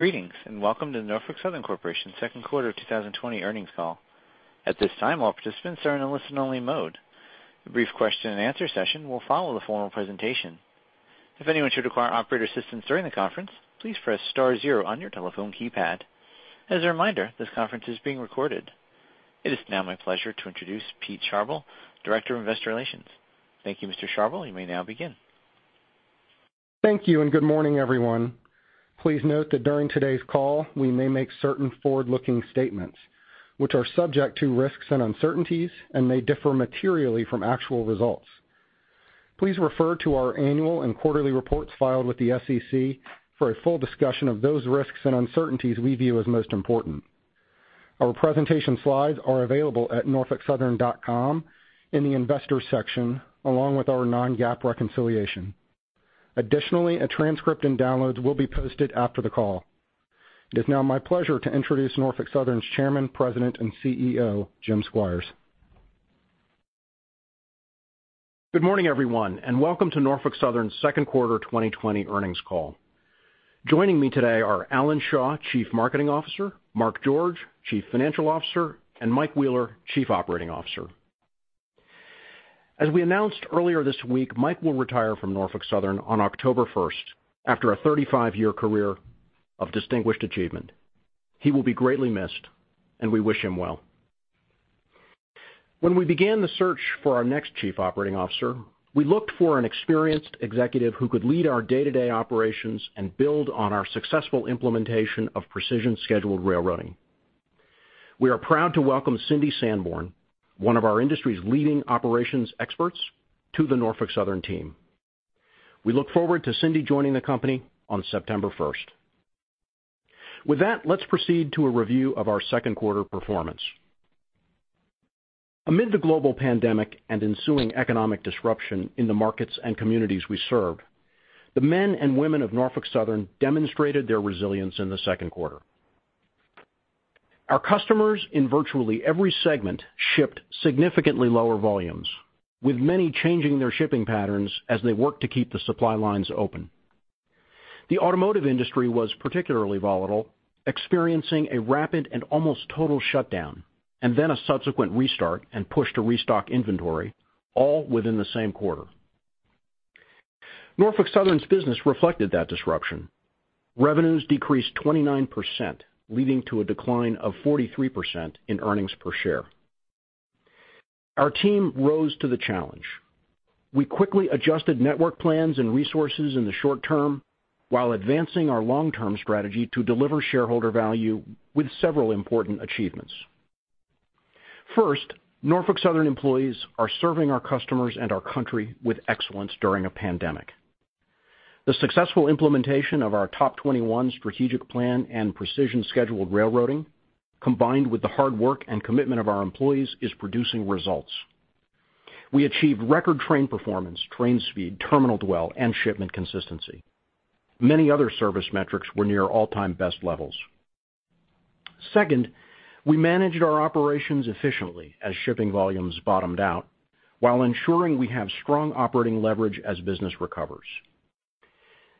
Greetings, and welcome to the Norfolk Southern Corporation second quarter 2020 earnings call. At this time, all participants are in a listen-only mode. A brief question-and-answer session will follow the formal presentation. If anyone should require operator assistance during the conference, please press star zero on your telephone keypad. As a reminder, this conference is being recorded. It is now my pleasure to introduce Pete Sharbel, Director of Investor Relations. Thank you, Mr. Sharbel. You may now begin. Thank you. Good morning, everyone. Please note that during today's call, we may make certain forward-looking statements which are subject to risks and uncertainties and may differ materially from actual results. Please refer to our annual and quarterly reports filed with the SEC for a full discussion of those risks and uncertainties we view as most important. Our presentation slides are available at norfolksouthern.com in the Investors section, along with our non-GAAP reconciliation. A transcript and downloads will be posted after the call. It is now my pleasure to introduce Norfolk Southern's Chairman, President, and CEO, Jim Squires. Good morning, everyone, and welcome to Norfolk Southern's second quarter 2020 earnings call. Joining me today are Alan Shaw, Chief Marketing Officer, Mark George, Chief Financial Officer, and Mike Wheeler, Chief Operating Officer. As we announced earlier this week, Mike will retire from Norfolk Southern on October 1st after a 35-year career of distinguished achievement. He will be greatly missed, and we wish him well. When we began the search for our next chief operating officer, we looked for an experienced executive who could lead our day-to-day operations and build on our successful implementation of precision scheduled railroading. We are proud to welcome Cindy Sanborn, one of our industry's leading operations experts, to the Norfolk Southern team. We look forward to Cindy joining the company on September 1st. With that, let's proceed to a review of our second quarter performance. Amid the global pandemic and ensuing economic disruption in the markets and communities we serve, the men and women of Norfolk Southern demonstrated their resilience in the second quarter. Our customers in virtually every segment shipped significantly lower volumes, with many changing their shipping patterns as they work to keep the supply lines open. The automotive industry was particularly volatile, experiencing a rapid and almost total shutdown, and then a subsequent restart and push to restock inventory, all within the same quarter. Norfolk Southern's business reflected that disruption. Revenues decreased 29%, leading to a decline of 43% in earnings per share. Our team rose to the challenge. We quickly adjusted network plans and resources in the short term while advancing our long-term strategy to deliver shareholder value with several important achievements. First, Norfolk Southern employees are serving our customers and our country with excellence during a pandemic. The successful implementation of our TOP21 strategic plan and precision scheduled railroading, combined with the hard work and commitment of our employees, is producing results. We achieved record train performance, train speed, terminal dwell, and shipment consistency. Many other service metrics were near all-time best levels. Second, we managed our operations efficiently as shipping volumes bottomed out while ensuring we have strong operating leverage as business recovers.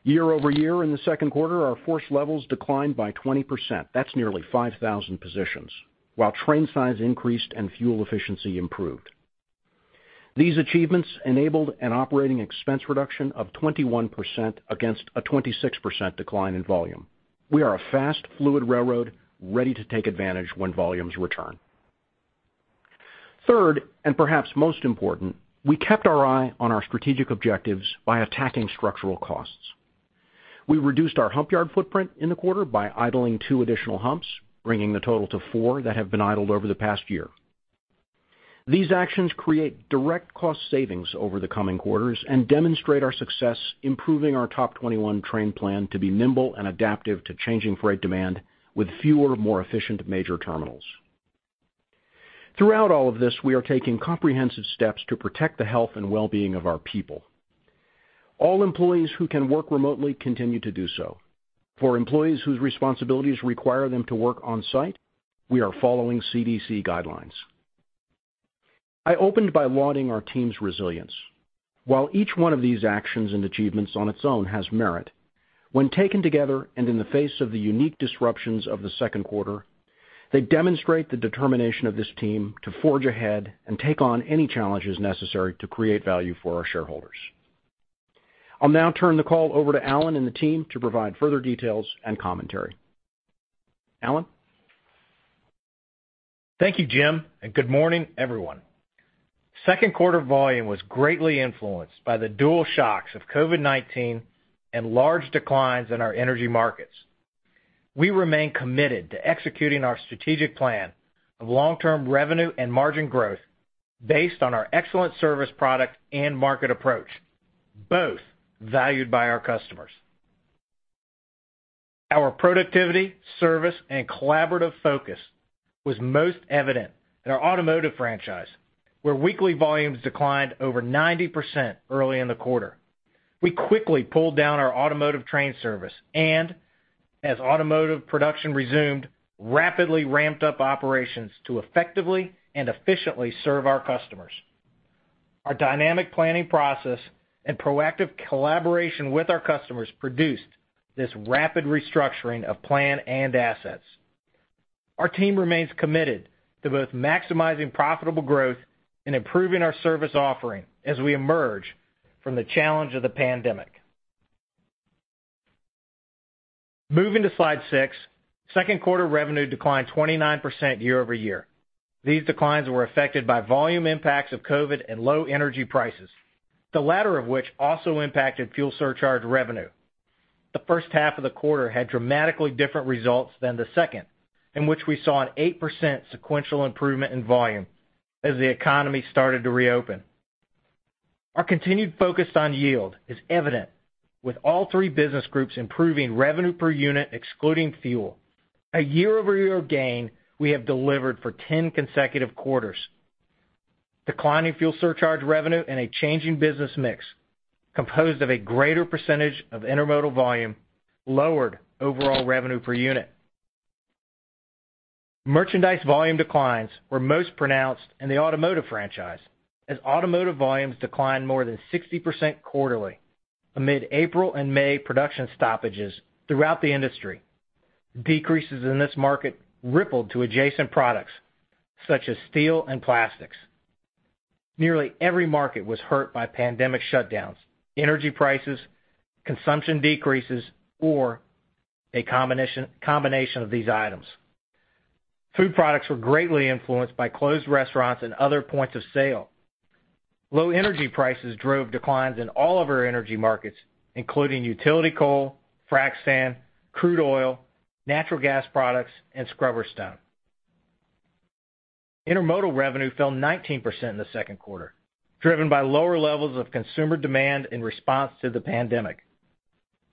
Year-over-year in the second quarter, our force levels declined by 20%, that's nearly 5,000 positions, while train size increased and fuel efficiency improved. These achievements enabled an operating expense reduction of 21% against a 26% decline in volume. We are a fast, fluid railroad ready to take advantage when volumes return. Third, perhaps most important, we kept our eye on our strategic objectives by attacking structural costs. We reduced our hump yard footprint in the quarter by idling two additional humps, bringing the total to four that have been idled over the past year. These actions create direct cost savings over the coming quarters and demonstrate our success improving our TOP21 train plan to be nimble and adaptive to changing freight demand with fewer, more efficient major terminals. Throughout all of this, we are taking comprehensive steps to protect the health and well-being of our people. All employees who can work remotely continue to do so. For employees whose responsibilities require them to work on-site, we are following CDC guidelines. I opened by lauding our team's resilience. While each one of these actions and achievements on its own has merit, when taken together, and in the face of the unique disruptions of the second quarter, they demonstrate the determination of this team to forge ahead and take on any challenges necessary to create value for our shareholders. I'll now turn the call over to Alan and the team to provide further details and commentary. Alan? Thank you, Jim. Good morning, everyone. Second quarter volume was greatly influenced by the dual shocks of COVID-19 and large declines in our energy markets. We remain committed to executing our strategic plan of long-term revenue and margin growth based on our excellent service product and market approach, both valued by our customers. Our productivity, service, and collaborative focus was most evident in our automotive franchise, where weekly volumes declined over 90% early in the quarter. We quickly pulled down our automotive train service and, as automotive production resumed, rapidly ramped up operations to effectively and efficiently serve our customers. Our dynamic planning process and proactive collaboration with our customers produced this rapid restructuring of plan and assets. Our team remains committed to both maximizing profitable growth and improving our service offering as we emerge from the challenge of the pandemic. Moving to Slide six, second quarter revenue declined 29% year-over-year. These declines were affected by volume impacts of COVID and low energy prices, the latter of which also impacted fuel surcharge revenue. The first half of the quarter had dramatically different results than the second, in which we saw an 8% sequential improvement in volume as the economy started to reopen. Our continued focus on yield is evident with all three business groups improving revenue per unit excluding fuel, a year-over-year gain we have delivered for 10 consecutive quarters. Declining fuel surcharge revenue and a changing business mix, composed of a greater percentage of intermodal volume, lowered overall revenue per unit. Merchandise volume declines were most pronounced in the automotive franchise, as automotive volumes declined more than 60% quarterly amid April and May production stoppages throughout the industry. Decreases in this market rippled to adjacent products such as steel and plastics. Nearly every market was hurt by pandemic shutdowns, energy prices, consumption decreases, or a combination of these items. Food products were greatly influenced by closed restaurants and other points of sale. Low energy prices drove declines in all of our energy markets, including utility coal, frac sand, crude oil, natural gas products, and scrubber stone. Intermodal revenue fell 19% in the second quarter, driven by lower levels of consumer demand in response to the pandemic.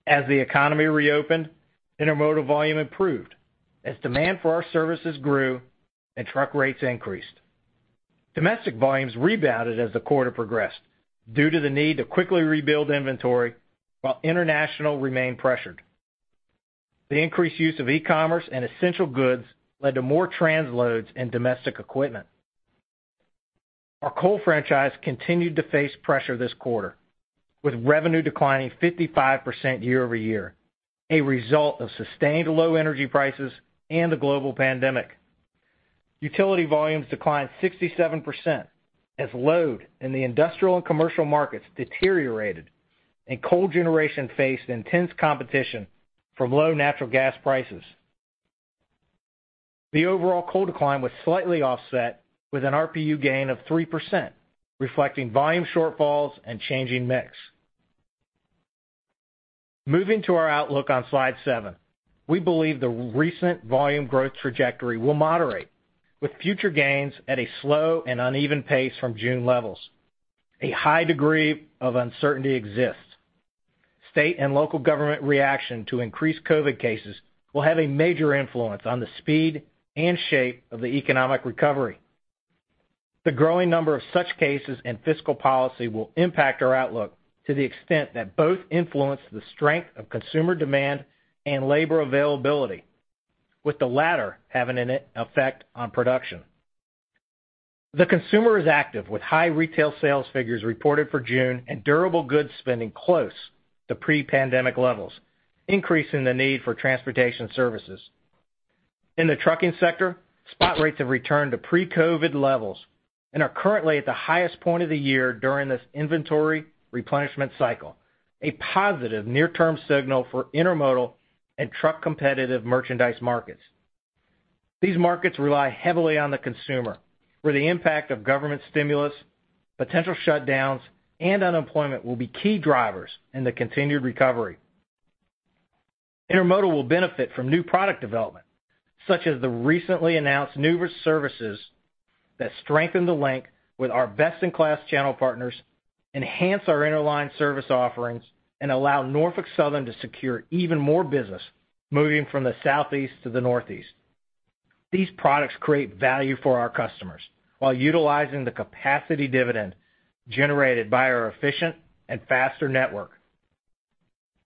As the economy reopened, intermodal volume improved as demand for our services grew and truck rates increased. Domestic volumes rebounded as the quarter progressed due to the need to quickly rebuild inventory while international remained pressured. The increased use of e-commerce and essential goods led to more transloads in domestic equipment. Our coal franchise continued to face pressure this quarter, with revenue declining 55% year-over-year, a result of sustained low energy prices and the global pandemic. Utility volumes declined 67% as load in the industrial and commercial markets deteriorated and coal generation faced intense competition from low natural gas prices. The overall coal decline was slightly offset with an RPU gain of 3%, reflecting volume shortfalls and changing mix. Moving to our outlook on Slide seven. We believe the recent volume growth trajectory will moderate, with future gains at a slow and uneven pace from June levels. A high degree of uncertainty exists. State and local government reaction to increased COVID cases will have a major influence on the speed and shape of the economic recovery. The growing number of such cases and fiscal policy will impact our outlook to the extent that both influence the strength of consumer demand and labor availability, with the latter having an effect on production. The consumer is active with high retail sales figures reported for June and durable goods spending close to pre-pandemic levels, increasing the need for transportation services. In the trucking sector, spot rates have returned to pre-COVID levels and are currently at the highest point of the year during this inventory replenishment cycle, a positive near-term signal for intermodal and truck-competitive merchandise markets. These markets rely heavily on the consumer, where the impact of government stimulus, potential shutdowns, and unemployment will be key drivers in the continued recovery. Intermodal will benefit from new product development, such as the recently announced new services that strengthen the link with our best-in-class channel partners, enhance our interline service offerings, and allow Norfolk Southern to secure even more business moving from the Southeast to the Northeast. These products create value for our customers while utilizing the capacity dividend generated by our efficient and faster network.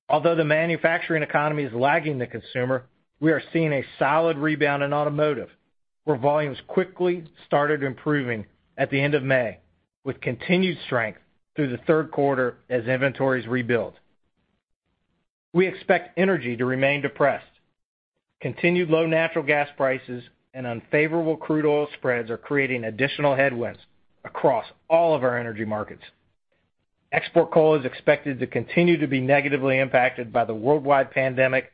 Although the manufacturing economy is lagging the consumer, we are seeing a solid rebound in automotive, where volumes quickly started improving at the end of May, with continued strength through the third quarter as inventories rebuild. We expect energy to remain depressed. Continued low natural gas prices and unfavorable crude oil spreads are creating additional headwinds across all of our energy markets. Export coal is expected to continue to be negatively impacted by the worldwide pandemic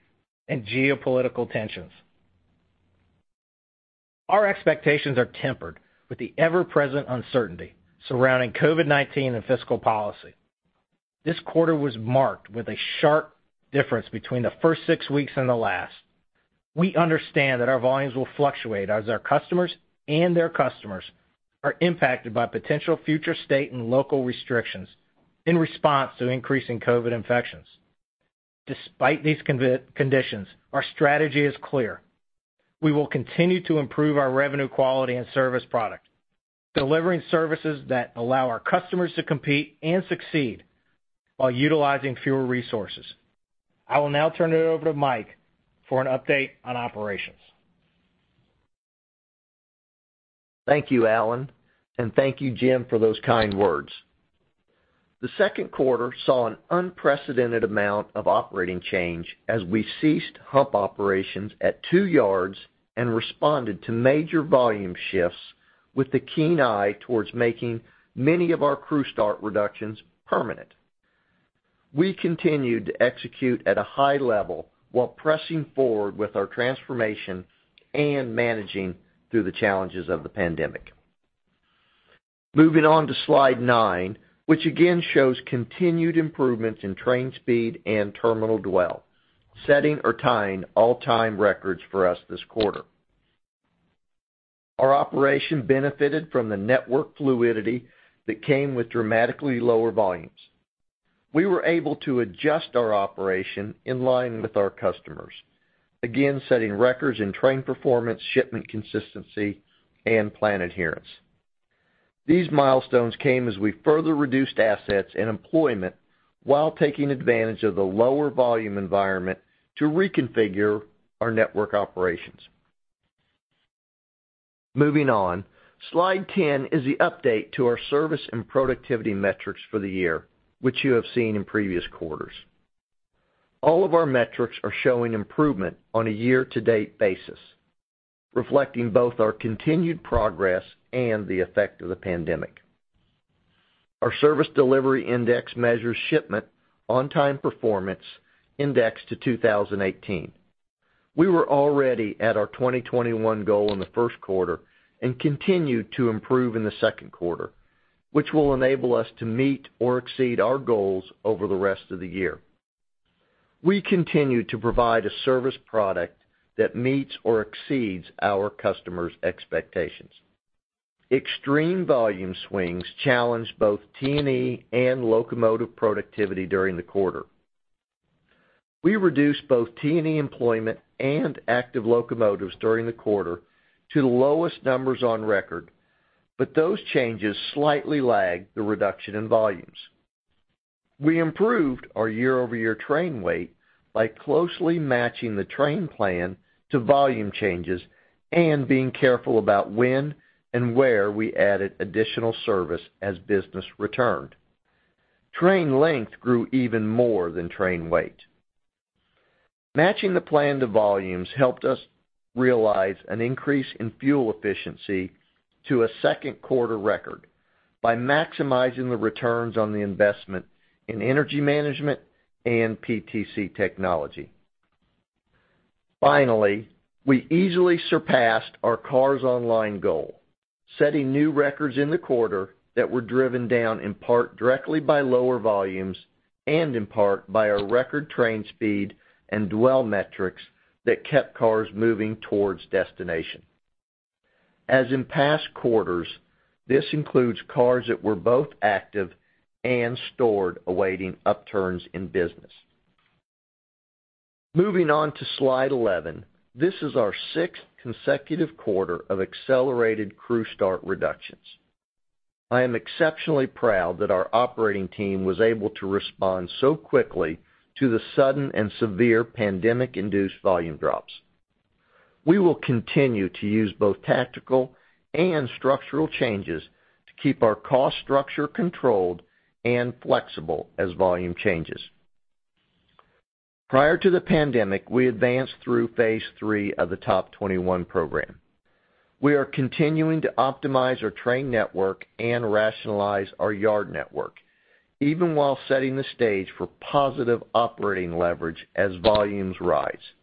and geopolitical tensions. Our expectations are tempered with the ever-present uncertainty surrounding COVID-19 and fiscal policy. This quarter was marked with a sharp difference between the first six weeks and the last. We understand that our volumes will fluctuate as our customers and their customers are impacted by potential future state and local restrictions in response to increasing COVID infections. Despite these conditions, our strategy is clear. We will continue to improve our revenue quality and service product, delivering services that allow our customers to compete and succeed while utilizing fewer resources. I will now turn it over to Mike for an update on operations. Thank you, Alan, thank you, Jim, for those kind words. The second quarter saw an unprecedented amount of operating change as we ceased hump operations at two yards and responded to major volume shifts with the keen eye towards making many of our crew start reductions permanent. We continued to execute at a high level while pressing forward with our transformation and managing through the challenges of the pandemic. Moving on to slide nine, which again shows continued improvements in train speed and terminal dwell, setting or tying all-time records for us this quarter. Our operation benefited from the network fluidity that came with dramatically lower volumes. We were able to adjust our operation in line with our customers, again, setting records in train performance, shipment consistency, and plan adherence. These milestones came as we further reduced assets and employment while taking advantage of the lower volume environment to reconfigure our network operations. Moving on. Slide 10 is the update to our service and productivity metrics for the year, which you have seen in previous quarters. All of our metrics are showing improvement on a year-to-date basis, reflecting both our continued progress and the effect of the pandemic. Our service delivery index measures shipment on-time performance indexed to 2018. We were already at our 2021 goal in the first quarter and continued to improve in the second quarter, which will enable us to meet or exceed our goals over the rest of the year. We continue to provide a service product that meets or exceeds our customers' expectations. Extreme volume swings challenged both T&E and locomotive productivity during the quarter. We reduced both T&E employment and active locomotives during the quarter to the lowest numbers on record. Those changes slightly lag the reduction in volumes. We improved our year-over-year train weight by closely matching the train plan to volume changes and being careful about when and where we added additional service as business returned. Train length grew even more than train weight. Matching the plan to volumes helped us realize an increase in fuel efficiency to a second quarter record by maximizing the returns on the investment in energy management and PTC technology. Finally, we easily surpassed our cars online goal, setting new records in the quarter that were driven down in part directly by lower volumes and in part by our record train speed and dwell metrics that kept cars moving towards destination. As in past quarters, this includes cars that were both active and stored, awaiting upturns in business. Moving on to slide 11. This is our sixth consecutive quarter of accelerated crew start reductions. I am exceptionally proud that our operating team was able to respond so quickly to the sudden and severe pandemic-induced volume drops. We will continue to use both tactical and structural changes to keep our cost structure controlled and flexible as volume changes. Prior to the pandemic, we advanced through phase III of the TOP21 program. We are continuing to optimize our train network and rationalize our yard network, even while setting the stage for positive operating leverage as volumes rise.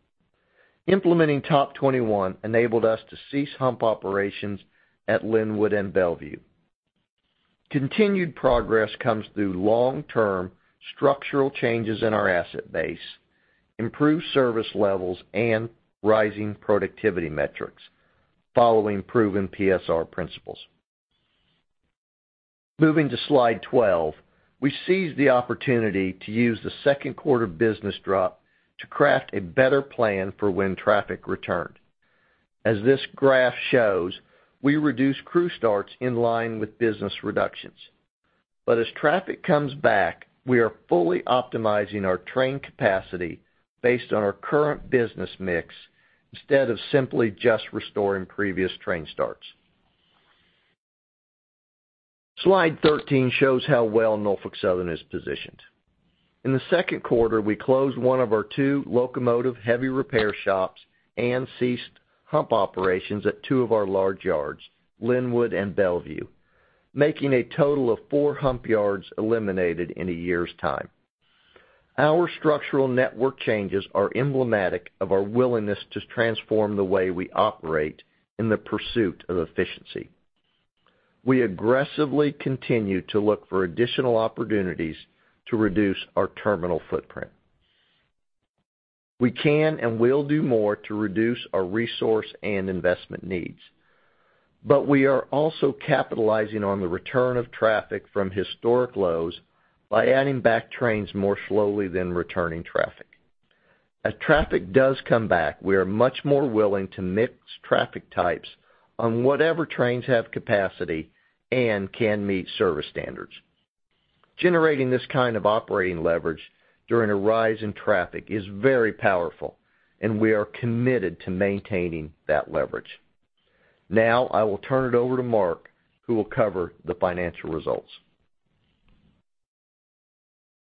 Implementing TOP21 enabled us to cease hump operations at Linwood and Bellevue. Continued progress comes through long-term structural changes in our asset base, improved service levels, and rising productivity metrics following proven PSR principles. Moving to slide 12. We seized the opportunity to use the second quarter business drop to craft a better plan for when traffic returned. As this graph shows, we reduced crew starts in line with business reductions. As traffic comes back, we are fully optimizing our train capacity based on our current business mix instead of simply just restoring previous train starts. Slide 13 shows how well Norfolk Southern is positioned. In the second quarter, we closed one of our two locomotive heavy repair shops and ceased hump operations at two of our large yards, Linwood and Bellevue, making a total of four hump yards eliminated in a year's time. Our structural network changes are emblematic of our willingness to transform the way we operate in the pursuit of efficiency. We aggressively continue to look for additional opportunities to reduce our terminal footprint. We can and will do more to reduce our resource and investment needs. We are also capitalizing on the return of traffic from historic lows by adding back trains more slowly than returning traffic. As traffic does come back, we are much more willing to mix traffic types on whatever trains have capacity and can meet service standards. Generating this kind of operating leverage during a rise in traffic is very powerful, and we are committed to maintaining that leverage. Now, I will turn it over to Mark, who will cover the financial results.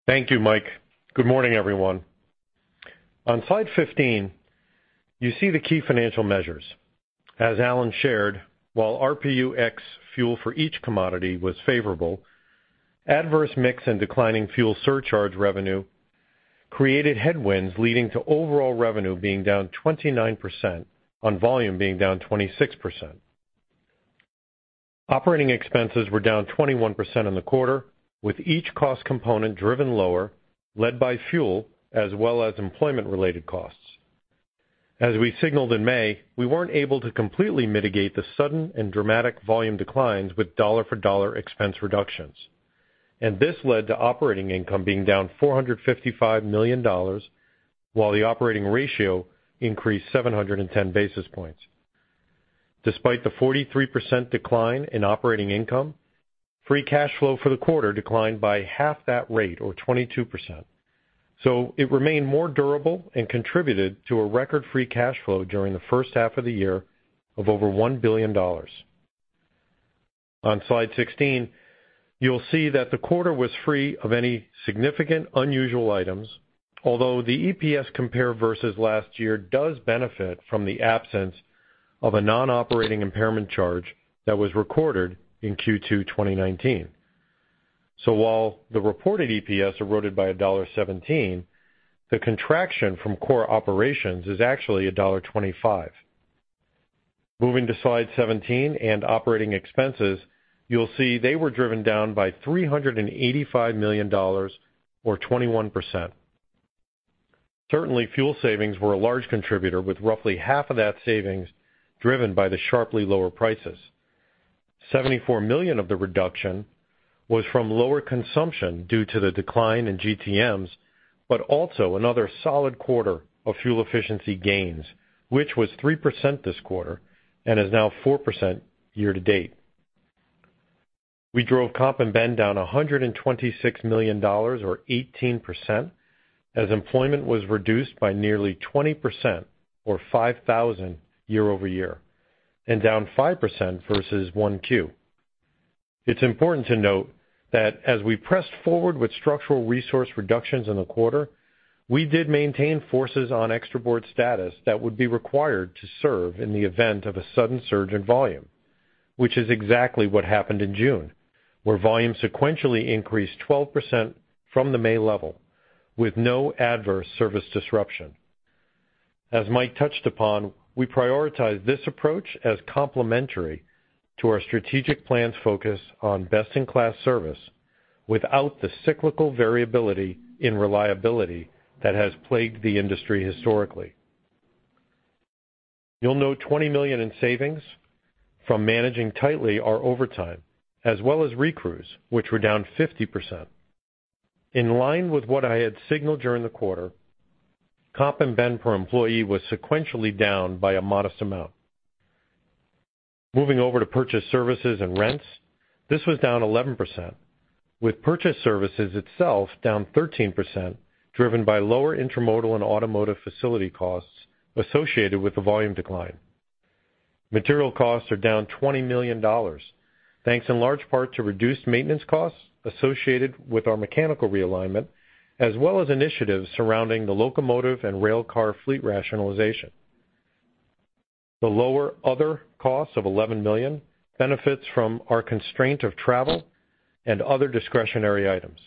Thank you, Mike. Good morning, everyone. On slide 15, you see the key financial measures. As Alan shared, while RPU ex fuel for each commodity was favorable, adverse mix and declining fuel surcharge revenue created headwinds, leading to overall revenue being down 29% on volume being down 26%. Operating expenses were down 21% in the quarter, with each cost component driven lower, led by fuel as well as employment-related costs. As we signaled in May, we weren't able to completely mitigate the sudden and dramatic volume declines with dollar-for-dollar expense reductions. This led to operating income being down $455 million, while the operating ratio increased 710 basis points. Despite the 43% decline in operating income, free cash flow for the quarter declined by half that rate, or 22%. It remained more durable and contributed to a record free cash flow during the first half of the year of over $1 billion. On Slide 16, you'll see that the quarter was free of any significant unusual items, although the EPS compare versus last year does benefit from the absence of a non-operating impairment charge that was recorded in Q2 2019. While the reported EPS eroded by $1.17, the contraction from core operations is actually $1.25. Moving to slide 17 and operating expenses, you'll see they were driven down by $385 million or 21%. Certainly, fuel savings were a large contributor, with roughly half of that savings driven by the sharply lower prices. $74 million of the reduction was from lower consumption due to the decline in GTMs, but also another solid quarter of fuel efficiency gains, which was 3% this quarter and is now 4% year-to-date. We drove comp and ben down $126 million, or 18%, as employment was reduced by nearly 20%, or 5,000 year-over-year, and down 5% versus Q1. It's important to note that as we pressed forward with structural resource reductions in the quarter, we did maintain forces on extra board status that would be required to serve in the event of a sudden surge in volume, which is exactly what happened in June, where volume sequentially increased 12% from the May level with no adverse service disruption. As Mike touched upon, we prioritize this approach as complementary to our strategic plan's focus on best-in-class service without the cyclical variability in reliability that has plagued the industry historically. You'll note $20 million in savings from managing tightly our overtime, as well as recrews, which were down 50%. In line with what I had signaled during the quarter, comp and ben per employee was sequentially down by a modest amount. Moving over to purchased services and rents, this was down 11%, with purchased services itself down 13%, driven by lower intermodal and automotive facility costs associated with the volume decline. Material costs are down $20 million, thanks in large part to reduced maintenance costs associated with our mechanical realignment, as well as initiatives surrounding the locomotive and railcar fleet rationalization. The lower other costs of $11 million benefits from our constraint of travel and other discretionary items.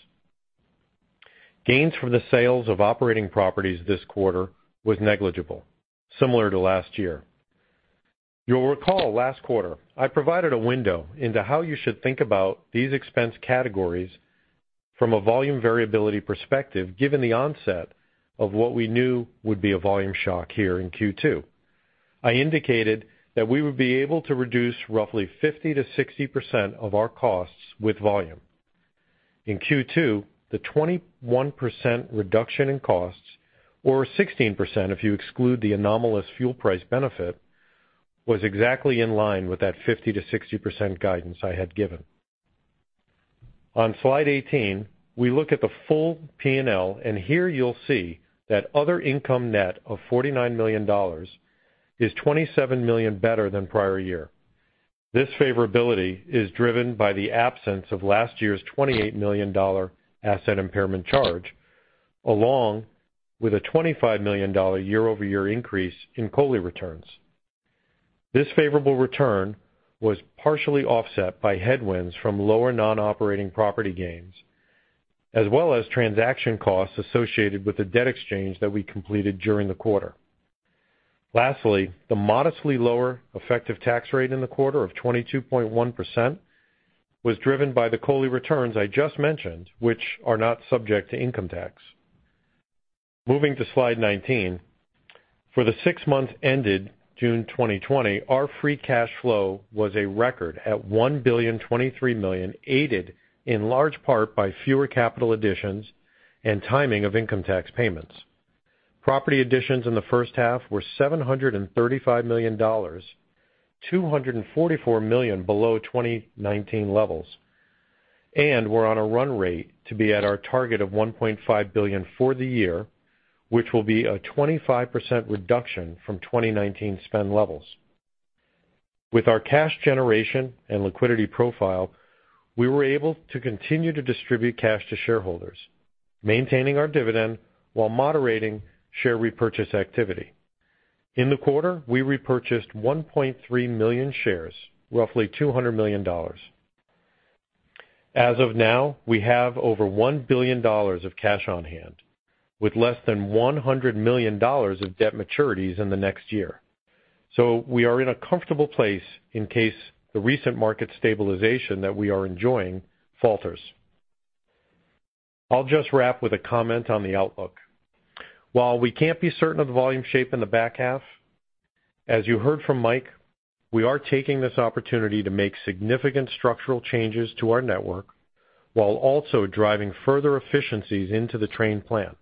Gains from the sales of operating properties this quarter was negligible, similar to last year. You'll recall last quarter I provided a window into how you should think about these expense categories from a volume variability perspective, given the onset of what we knew would be a volume shock here in Q2. I indicated that we would be able to reduce roughly 50% to 60% of our costs with volume. In Q2, the 21% reduction in costs, or 16% if you exclude the anomalous fuel price benefit, was exactly in line with that 50% to 60% guidance I had given. On slide 18, we look at the full P&L, and here you'll see that other income net of $49 million is $27 million better than prior year. This favorability is driven by the absence of last year's $28 million asset impairment charge, along with a $25 million year-over-year increase in COLI returns. This favorable return was partially offset by headwinds from lower non-operating property gains, as well as transaction costs associated with the debt exchange that we completed during the quarter. The modestly lower effective tax rate in the quarter of 22.1% was driven by the COLI returns I just mentioned, which are not subject to income tax. Moving to slide 19. For the six months ended June 2020, our free cash flow was a record at $1.023 billion, aided in large part by fewer capital additions and timing of income tax payments. Property additions in the first half were $735 million, $244 million below 2019 levels. We're on a run rate to be at our target of $1.5 billion for the year, which will be a 25% reduction from 2019 spend levels. With our cash generation and liquidity profile, we were able to continue to distribute cash to shareholders, maintaining our dividend while moderating share repurchase activity. In the quarter, we repurchased 1.3 million shares, roughly $200 million. As of now, we have over $1 billion of cash on hand, with less than $100 million of debt maturities in the next year. We are in a comfortable place in case the recent market stabilization that we are enjoying falters. I'll just wrap with a comment on the outlook. While we can't be certain of the volume shape in the back half, as you heard from Mike, we are taking this opportunity to make significant structural changes to our network while also driving further efficiencies into the train plan.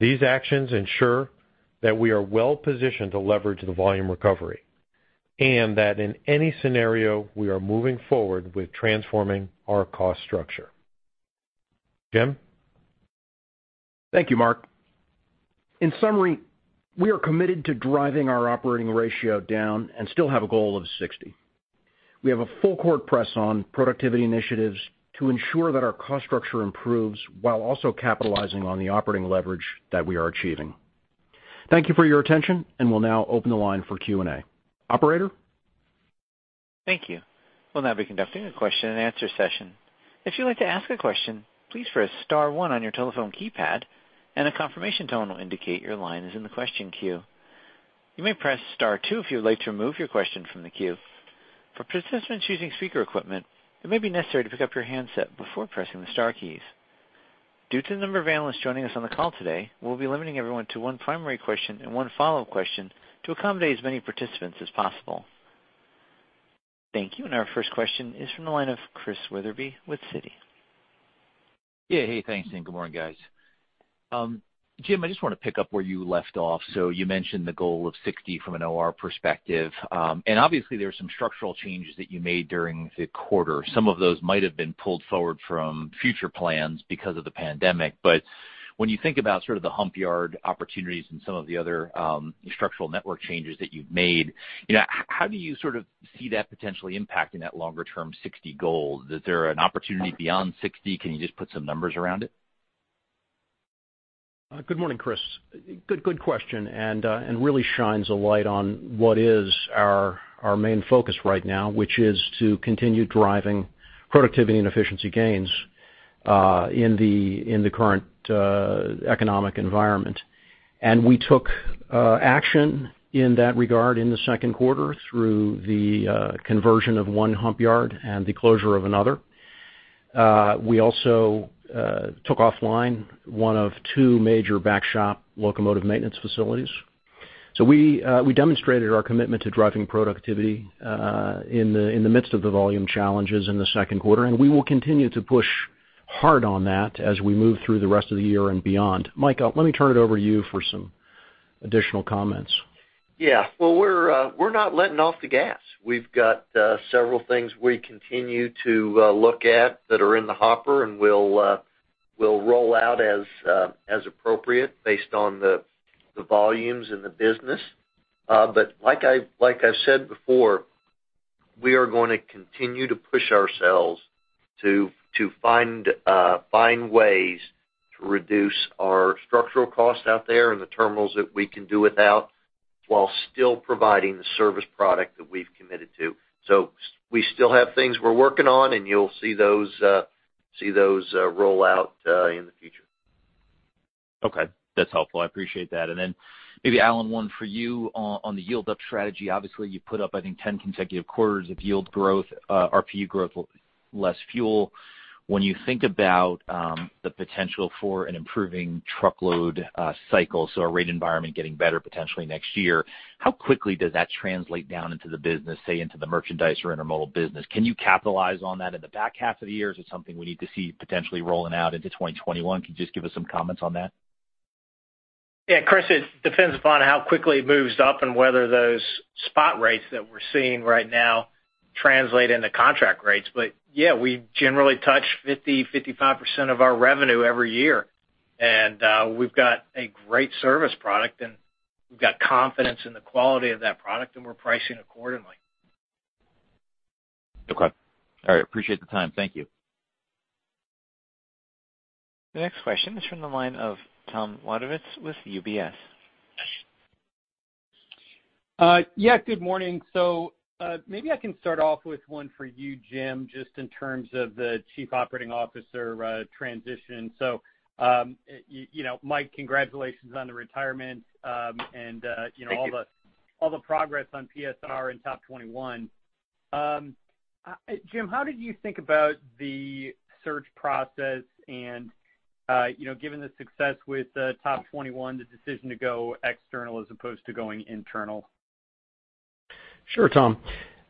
These actions ensure that we are well-positioned to leverage the volume recovery, and that in any scenario, we are moving forward with transforming our cost structure. Jim? Thank you, Mark. In summary, we are committed to driving our Operating Ratio down and still have a goal of 60%. We have a full court press on productivity initiatives to ensure that our cost structure improves while also capitalizing on the operating leverage that we are achieving. Thank you for your attention. We'll now open the line for Q and A. Operator? Thank you. We'll now be conducting a question-and-answer session. If you'd like to ask a question, please press star one on your telephone keypad, and a confirmation tone will indicate your line is in the question queue. You may press star two if you would like to remove your question from the queue. For participants using speaker equipment, it may be necessary to pick up your handset before pressing the star keys. Due to the number of analysts joining us on the call today, we'll be limiting everyone to one primary question and one follow-up question to accommodate as many participants as possible. Thank you. Our first question is from the line of Chris Wetherbee with Citi. Yeah. Hey, thanks. Good morning, guys. Jim, I just want to pick up where you left off. You mentioned the goal of 60% from an OR perspective. Obviously there are some structural changes that you made during the quarter. Some of those might have been pulled forward from future plans because of the pandemic. When you think about sort of the hump yard opportunities and some of the other structural network changes that you've made, how do you sort of see that potentially impacting that longer-term 60% goal? Is there an opportunity beyond 60%? Can you just put some numbers around it? Good morning, Chris. Good question, really shines a light on what is our main focus right now, which is to continue driving productivity and efficiency gains in the current economic environment. We took action in that regard in the second quarter through the conversion of one hump yard and the closure of another. We also took offline one of two major back shop locomotive maintenance facilities. We demonstrated our commitment to driving productivity in the midst of the volume challenges in the second quarter, we will continue to push hard on that as we move through the rest of the year and beyond. Mike, let me turn it over to you for some additional comments. Well, we're not letting off the gas. We've got several things we continue to look at that are in the hopper, and we'll roll out as appropriate based on the volumes in the business. Like I've said before, we are going to continue to push ourselves to find ways to reduce our structural costs out there and the terminals that we can do without, while still providing the service product that we've committed to. We still have things we're working on, and you'll see those roll out in the future. Okay. That's helpful. I appreciate that. Maybe, Alan, one for you on the yield-up strategy. Obviously, you put up, I think, 10 consecutive quarters of yield growth, RPU growth, less fuel. When you think about the potential for an improving truckload cycle, so our rate environment getting better potentially next year, how quickly does that translate down into the business, say, into the merchandise or intermodal business? Can you capitalize on that in the back half of the year? Is it something we need to see potentially rolling out into 2021? Can you just give us some comments on that? Yeah, Chris, it depends upon how quickly it moves up and whether those spot rates that we're seeing right now translate into contract rates. Yeah, we generally touch 50%-55% of our revenue every year. We've got a great service product, and we've got confidence in the quality of that product, and we're pricing accordingly. Okay. All right. Appreciate the time. Thank you. The next question is from the line of Tom Wadewitz with UBS. Yeah, good morning. Maybe I can start off with one for you, Jim, just in terms of the chief operating officer transition. Mike, congratulations on the retirement. Thank you. All the progress on PSR and TOP21. Jim, how did you think about the search process and given the success with TOP21, the decision to go external as opposed to going internal? Sure, Tom.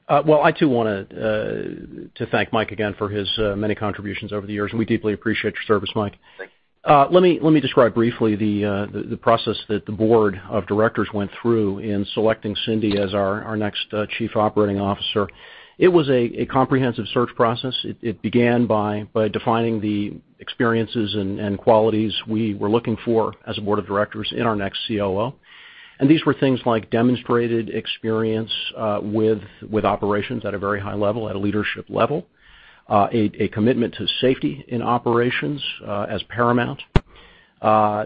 Well, I too want to thank Mike again for his many contributions over the years, and we deeply appreciate your service, Mike. Thanks. Let me describe briefly the process that the board of directors went through in selecting Cindy as our next Chief Operating Officer. It was a comprehensive search process. It began by defining the experiences and qualities we were looking for as a board of directors in our next COO. These were things like demonstrated experience with operations at a very high level, at a leadership level, a commitment to safety in operations as paramount,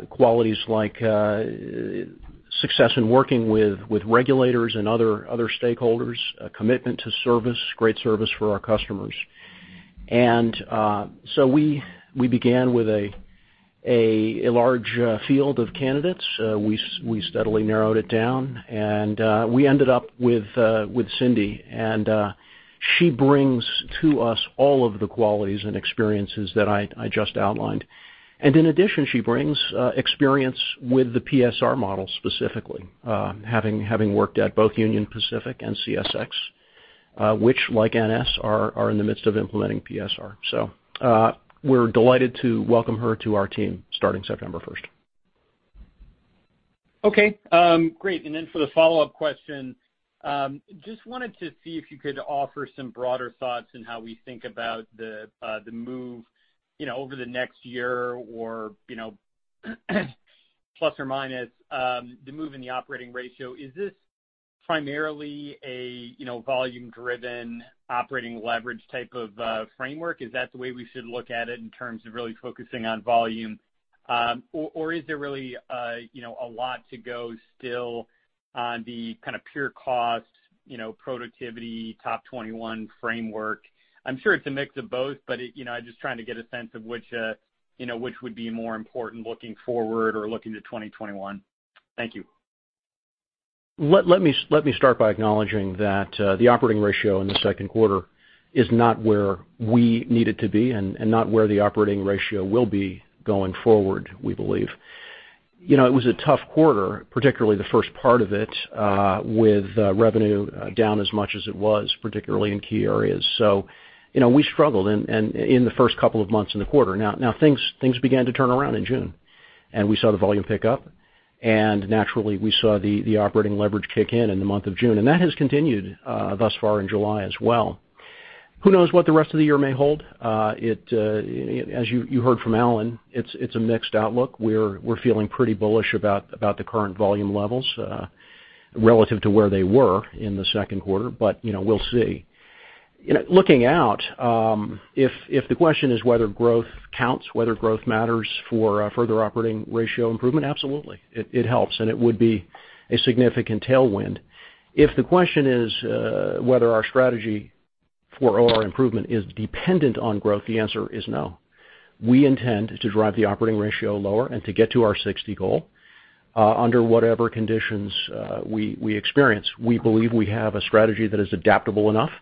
qualities like success in working with regulators and other stakeholders, a commitment to service, great service for our customers. We began with a large field of candidates. We steadily narrowed it down, and we ended up with Cindy. She brings to us all of the qualities and experiences that I just outlined. In addition, she brings experience with the PSR model specifically, having worked at both Union Pacific and CSX, which, like NS, are in the midst of implementing PSR. We're delighted to welcome her to our team starting September 1st. Okay. Great. For the follow-up question, just wanted to see if you could offer some broader thoughts on how we think about the move over the next year or plus or minus the move in the operating ratio. Is this primarily a volume-driven operating leverage type of framework? Is that the way we should look at it in terms of really focusing on volume? Is there really a lot to go still on the kind of pure cost, productivity TOP21 framework? I'm sure it's a mix of both, I'm just trying to get a sense of which would be more important looking forward or looking to 2021. Thank you. Let me start by acknowledging that the operating ratio in the second quarter is not where we need it to be and not where the operating ratio will be going forward, we believe. It was a tough quarter, particularly the first part of it, with revenue down as much as it was, particularly in key areas. We struggled in the first couple of months in the quarter. Things began to turn around in June, and we saw the volume pick up, and naturally, we saw the operating leverage kick in in the month of June. That has continued thus far in July as well. Who knows what the rest of the year may hold? As you heard from Alan, it's a mixed outlook. We're feeling pretty bullish about the current volume levels relative to where they were in the second quarter, but we'll see. Looking out, if the question is whether growth counts, whether growth matters for further OR improvement, absolutely. It helps, and it would be a significant tailwind. If the question is whether our strategy for OR improvement is dependent on growth, the answer is no. We intend to drive the operating ratio lower and to get to our 60 goal under whatever conditions we experience. We believe we have a strategy that is adaptable enough,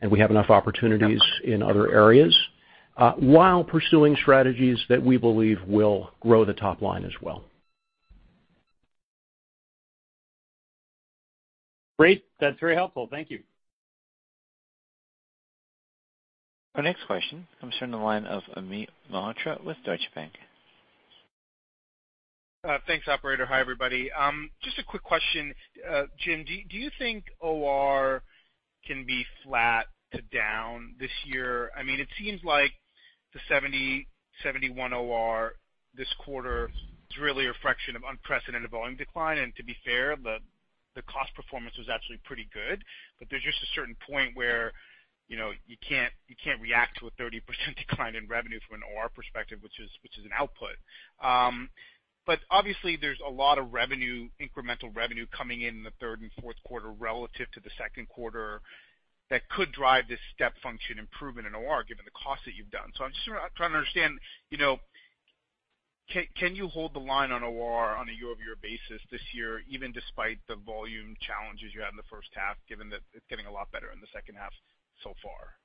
and we have enough opportunities in other areas while pursuing strategies that we believe will grow the top line as well. Great. That's very helpful. Thank you. Our next question comes from the line of Amit Mehrotra with Deutsche Bank. Thanks, operator. Hi, everybody. Just a quick question. Jim, do you think OR can be flat to down this year? It seems like the 70%, 71% OR this quarter is really a fraction of unprecedented volume decline. To be fair, the cost performance was actually pretty good, but there's just a certain point where you can't react to a 30% decline in revenue from an OR perspective, which is an output. Obviously, there's a lot of incremental revenue coming in the third and fourth quarter relative to the second quarter that could drive this step function improvement in OR, given the cost that you've done. I'm just trying to understand, can you hold the line on OR on a year-over-year basis this year, even despite the volume challenges you had in the first half, given that it's getting a lot better in the second half so far?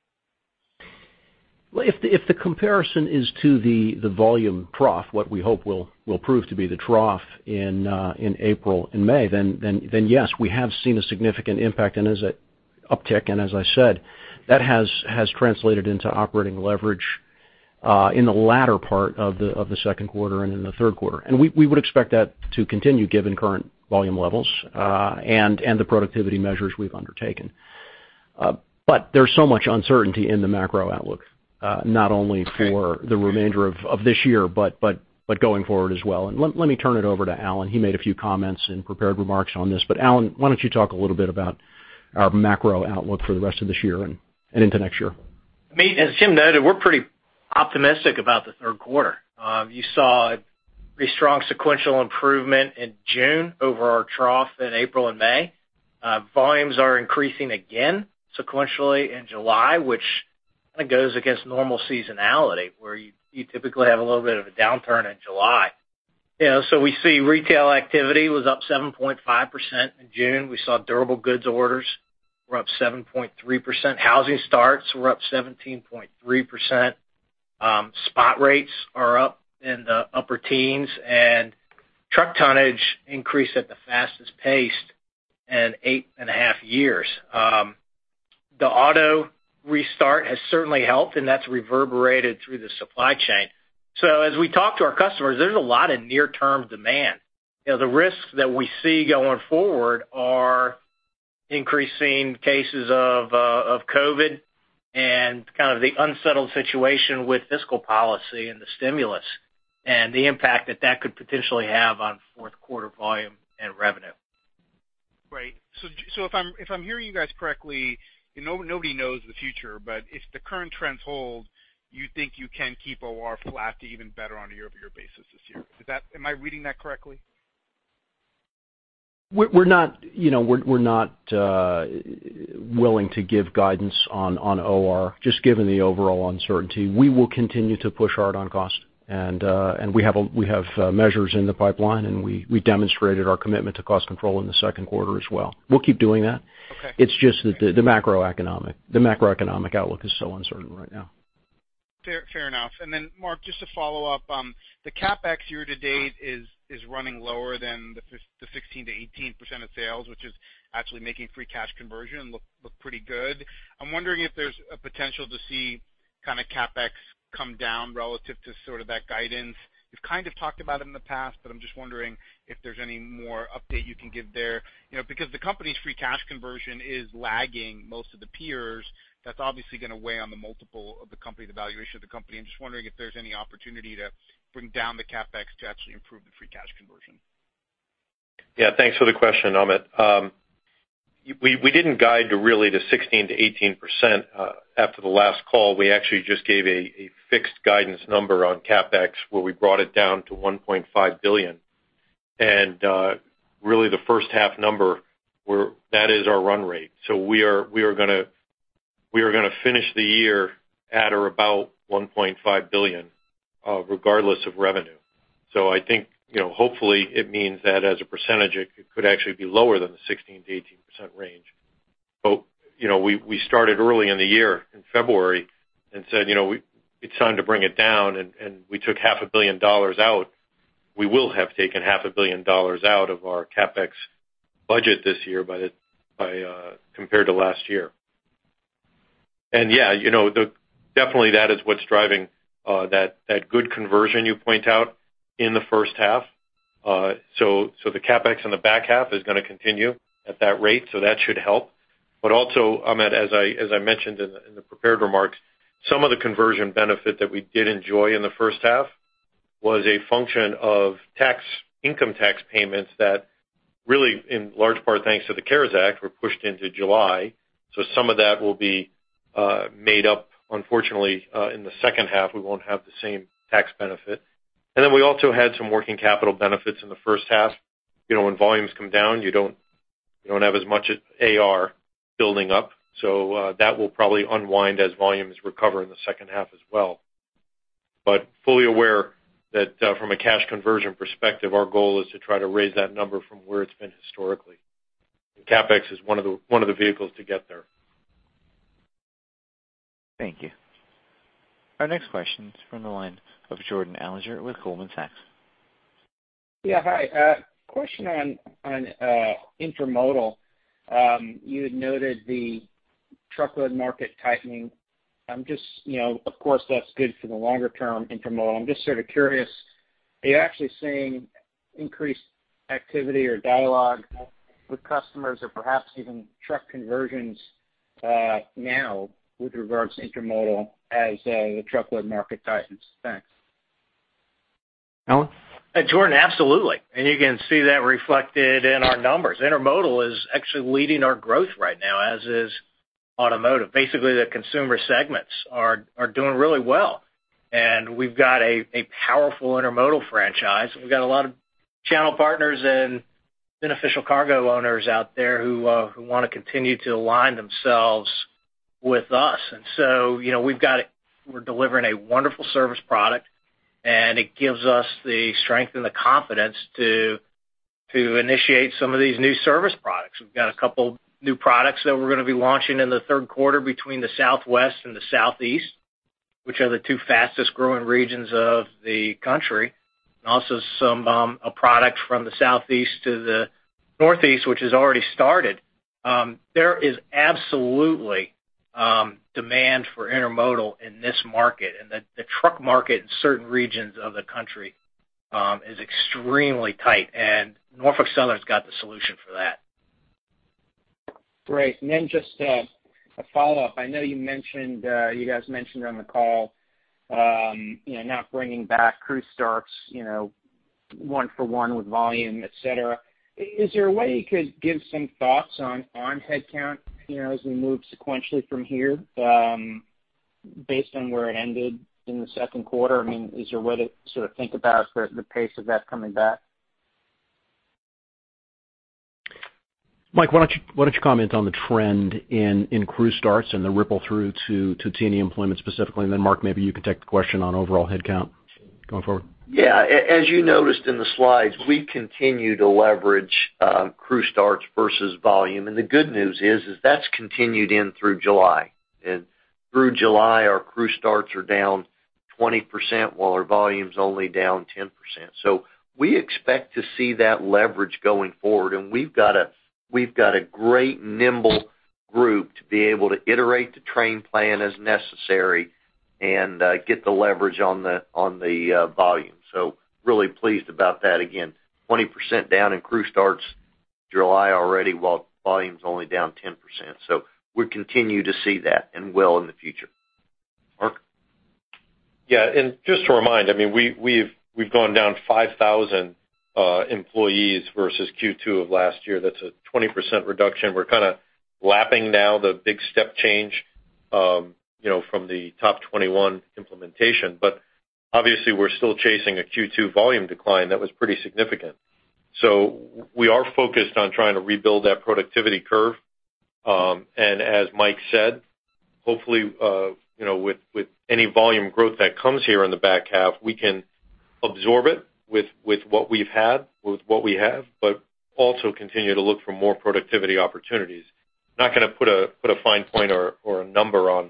If the comparison is to the volume trough, what we hope will prove to be the trough in April and May, then yes, we have seen a significant impact and there's an uptick, and as I said, that has translated into operating leverage in the latter part of the second quarter and in the third quarter. We would expect that to continue given current volume levels and the productivity measures we've undertaken. There's so much uncertainty in the macro outlook, not only for the remainder of this year, but going forward as well. Let me turn it over to Alan. He made a few comments in prepared remarks on this. Alan, why don't you talk a little bit about our macro outlook for the rest of this year and into next year? Amit, as Jim noted, we're pretty optimistic about the third quarter. You saw a pretty strong sequential improvement in June over our trough in April and May. Volumes are increasing again sequentially in July, which kind of goes against normal seasonality, where you typically have a little bit of a downturn in July. We see retail activity was up 7.5% in June. We saw durable goods orders were up 7.3%. Housing starts were up 17.3%. Spot rates are up in the upper teens. Truck tonnage increased at the fastest pace in eight and a half years. The auto restart has certainly helped, and that's reverberated through the supply chain. As we talk to our customers, there's a lot of near-term demand. The risks that we see going forward are increasing cases of COVID and the unsettled situation with fiscal policy and the stimulus, and the impact that could potentially have on fourth quarter volume and revenue. Right. If I'm hearing you guys correctly, nobody knows the future, but if the current trends hold, you think you can keep OR flat to even better on a year-over-year basis this year. Am I reading that correctly? We're not willing to give guidance on OR, just given the overall uncertainty. We will continue to push hard on cost. We have measures in the pipeline, and we demonstrated our commitment to cost control in the second quarter as well. We'll keep doing that. Okay. It's just that the macroeconomic outlook is so uncertain right now. Fair enough. Mark, just to follow up, the CapEx year to date is running lower than the 16%-18% of sales, which is actually making free cash conversion look pretty good. I'm wondering if there's a potential to see CapEx come down relative to that guidance. You've kind of talked about it in the past, I'm just wondering if there's any more update you can give there. The company's free cash conversion is lagging most of the peers. That's obviously going to weigh on the multiple of the company, the valuation of the company. I'm just wondering if there's any opportunity to bring down the CapEx to actually improve the free cash conversion. Thanks for the question, Amit. We didn't guide really to 16%-18%. After the last call, we actually just gave a fixed guidance number on CapEx, where we brought it down to $1.5 billion. Really the first half number, that is our run rate. We are going to finish the year at or about $1.5 billion, regardless of revenue. I think hopefully it means that as a percentage, it could actually be lower than the 16%-18% range. We started early in the year, in February, and said, "It's time to bring it down," and we took half a billion dollars out. We will have taken half a billion dollars out of our CapEx budget this year compared to last year. Definitely that is what's driving that good conversion you point out in the first half. The CapEx in the back half is going to continue at that rate, that should help. Also, Amit, as I mentioned in the prepared remarks, some of the conversion benefit that we did enjoy in the first half was a function of income tax payments that really, in large part thanks to the CARES Act, were pushed into July. Some of that will be made up. Unfortunately, in the second half, we won't have the same tax benefit. We also had some working capital benefits in the first half. When volumes come down, you don't have as much AR building up. That will probably unwind as volumes recover in the second half as well. Fully aware that from a cash conversion perspective, our goal is to try to raise that number from where it's been historically. CapEx is one of the vehicles to get there. Thank you. Our next question is from the line of Jordan Alliger with Goldman Sachs. Yeah. Hi. A question on intermodal. You had noted the truckload market tightening. Of course, that's good for the longer-term intermodal. I'm just sort of curious, are you actually seeing increased activity or dialogue with customers or perhaps even truck conversions now with regards to intermodal as the truckload market tightens? Thanks. Alan? Jordan, absolutely. You can see that reflected in our numbers. Intermodal is actually leading our growth right now, as is automotive. Basically, the consumer segments are doing really well. We've got a powerful intermodal franchise. We've got a lot of channel partners and beneficial cargo owners out there who want to continue to align themselves with us. We're delivering a wonderful service product, and it gives us the strength and the confidence to initiate some of these new service products. We've got a couple new products that we're going to be launching in the third quarter between the Southwest and the Southeast, which are the two fastest growing regions of the country. Also a product from the Southeast to the Northeast, which has already started. There is absolutely demand for intermodal in this market, and the truck market in certain regions of the country is extremely tight, and Norfolk Southern's got the solution for that. Great. Just a follow-up. I know you guys mentioned on the call not bringing back crew starts one for one with volume, et cetera. Is there a way you could give some thoughts on headcount as we move sequentially from here based on where it ended in the second quarter? Is there a way to sort of think about the pace of that coming back? Mike, why don't you comment on the trend in crew starts and the ripple through to T&E employment specifically, and then Mark, maybe you can take the question on overall headcount going forward. Yeah. As you noticed in the slides, we continue to leverage crew starts versus volume. The good news is that's continued in through July. Through July, our crew starts are down 20% while our volume's only down 10%. We expect to see that leverage going forward, and we've got a great nimble group to be able to iterate the train plan as necessary and get the leverage on the volume. Really pleased about that. Again, 20% down in crew starts July already, while volume's only down 10%. We continue to see that and will in the future. Mark? Just to remind, we've gone down 5,000 employees versus Q2 of last year. That's a 20% reduction. We're kind of lapping now the big step change from the TOP21 implementation. Obviously, we're still chasing a Q2 volume decline that was pretty significant. We are focused on trying to rebuild that productivity curve. As Mike said, hopefully with any volume growth that comes here in the back half, we can absorb it with what we have, but also continue to look for more productivity opportunities. Not going to put a fine point or a number on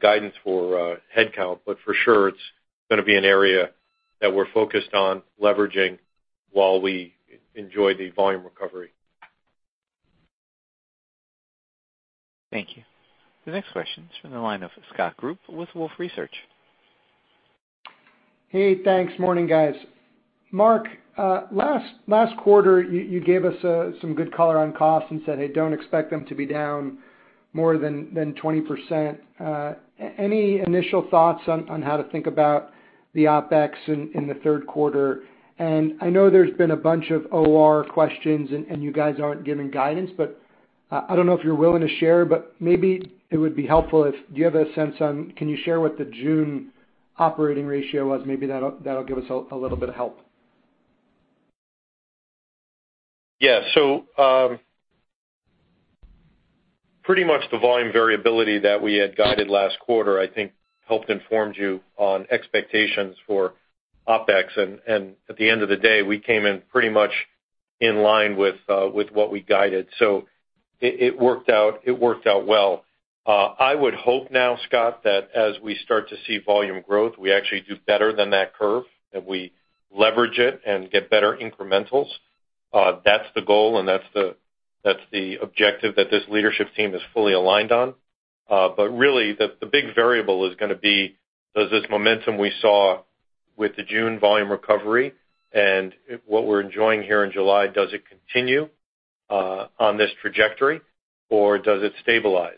guidance for headcount, for sure, it's going to be an area that we're focused on leveraging while we enjoy the volume recovery. Thank you. The next question's from the line of Scott Group with Wolfe Research. Thanks. Morning, guys. Mark, last quarter, you gave us some good color on costs and said, "Hey, don't expect them to be down more than 20%." Any initial thoughts on how to think about the OpEx in the third quarter? I know there's been a bunch of OR questions, and you guys aren't giving guidance, but I don't know if you're willing to share, but maybe it would be helpful, do you have a sense on, can you share what the June operating ratio was? Maybe that'll give us a little bit of help. Yeah. Pretty much the volume variability that we had guided last quarter, I think helped informed you on expectations for OpEx. At the end of the day, we came in pretty much in line with what we guided. It worked out well. I would hope now, Scott, that as we start to see volume growth, we actually do better than that curve, and we leverage it and get better incrementals. That's the goal and that's the objective that this leadership team is fully aligned on. Really, the big variable is going to be does this momentum we saw with the June volume recovery and what we're enjoying here in July, does it continue on this trajectory or does it stabilize?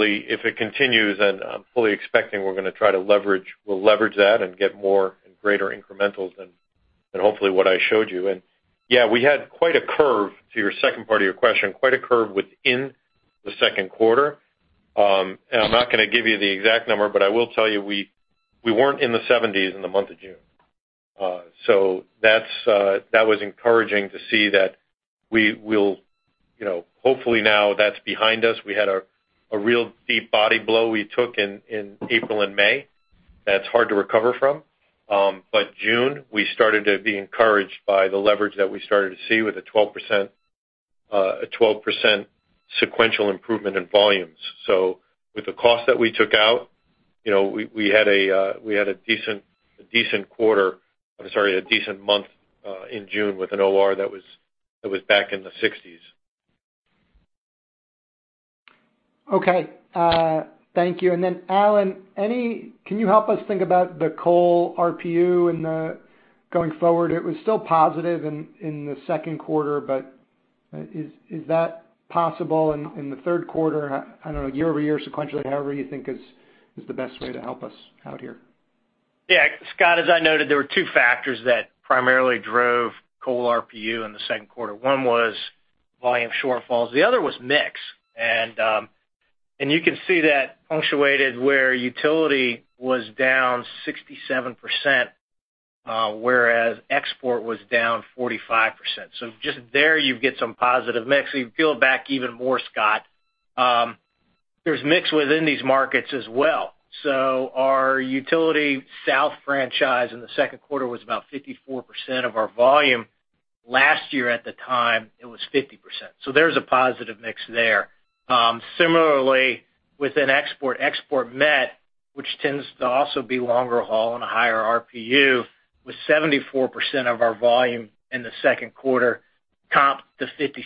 If it continues, then I'm fully expecting we're going to try to leverage that and get more and greater incrementals than hopefully what I showed you. Yeah, we had quite a curve, to your second part of your question, quite a curve within the second quarter. I'm not going to give you the exact number, but I will tell you we weren't in the 70s in the month of June. That was encouraging to see that hopefully now that's behind us. We had a real deep body blow we took in April and May. That's hard to recover from. June, we started to be encouraged by the leverage that we started to see with a 12% sequential improvement in volumes. With the cost that we took out, we had a decent month, in June with an OR that was back in the 60s. Okay. Thank you. Then Alan, can you help us think about the coal RPU and the going forward? It was still positive in the second quarter, but is that possible in the third quarter? I don't know, year-over-year, sequentially, however you think is the best way to help us out here. Scott, as I noted, there were two factors that primarily drove coal RPU in the second quarter. One was volume shortfalls, the other was mix. You can see that punctuated where utility was down 67%, whereas export was down 45%. Just there, you get some positive mix. You peel back even more, Scott, there's mix within these markets as well. Our utility south franchise in the second quarter was about 54% of our volume. Last year at the time, it was 50%. There's a positive mix there. Similarly, within export met, which tends to also be longer haul and a higher RPU, was 74% of our volume in the second quarter, comp to 56%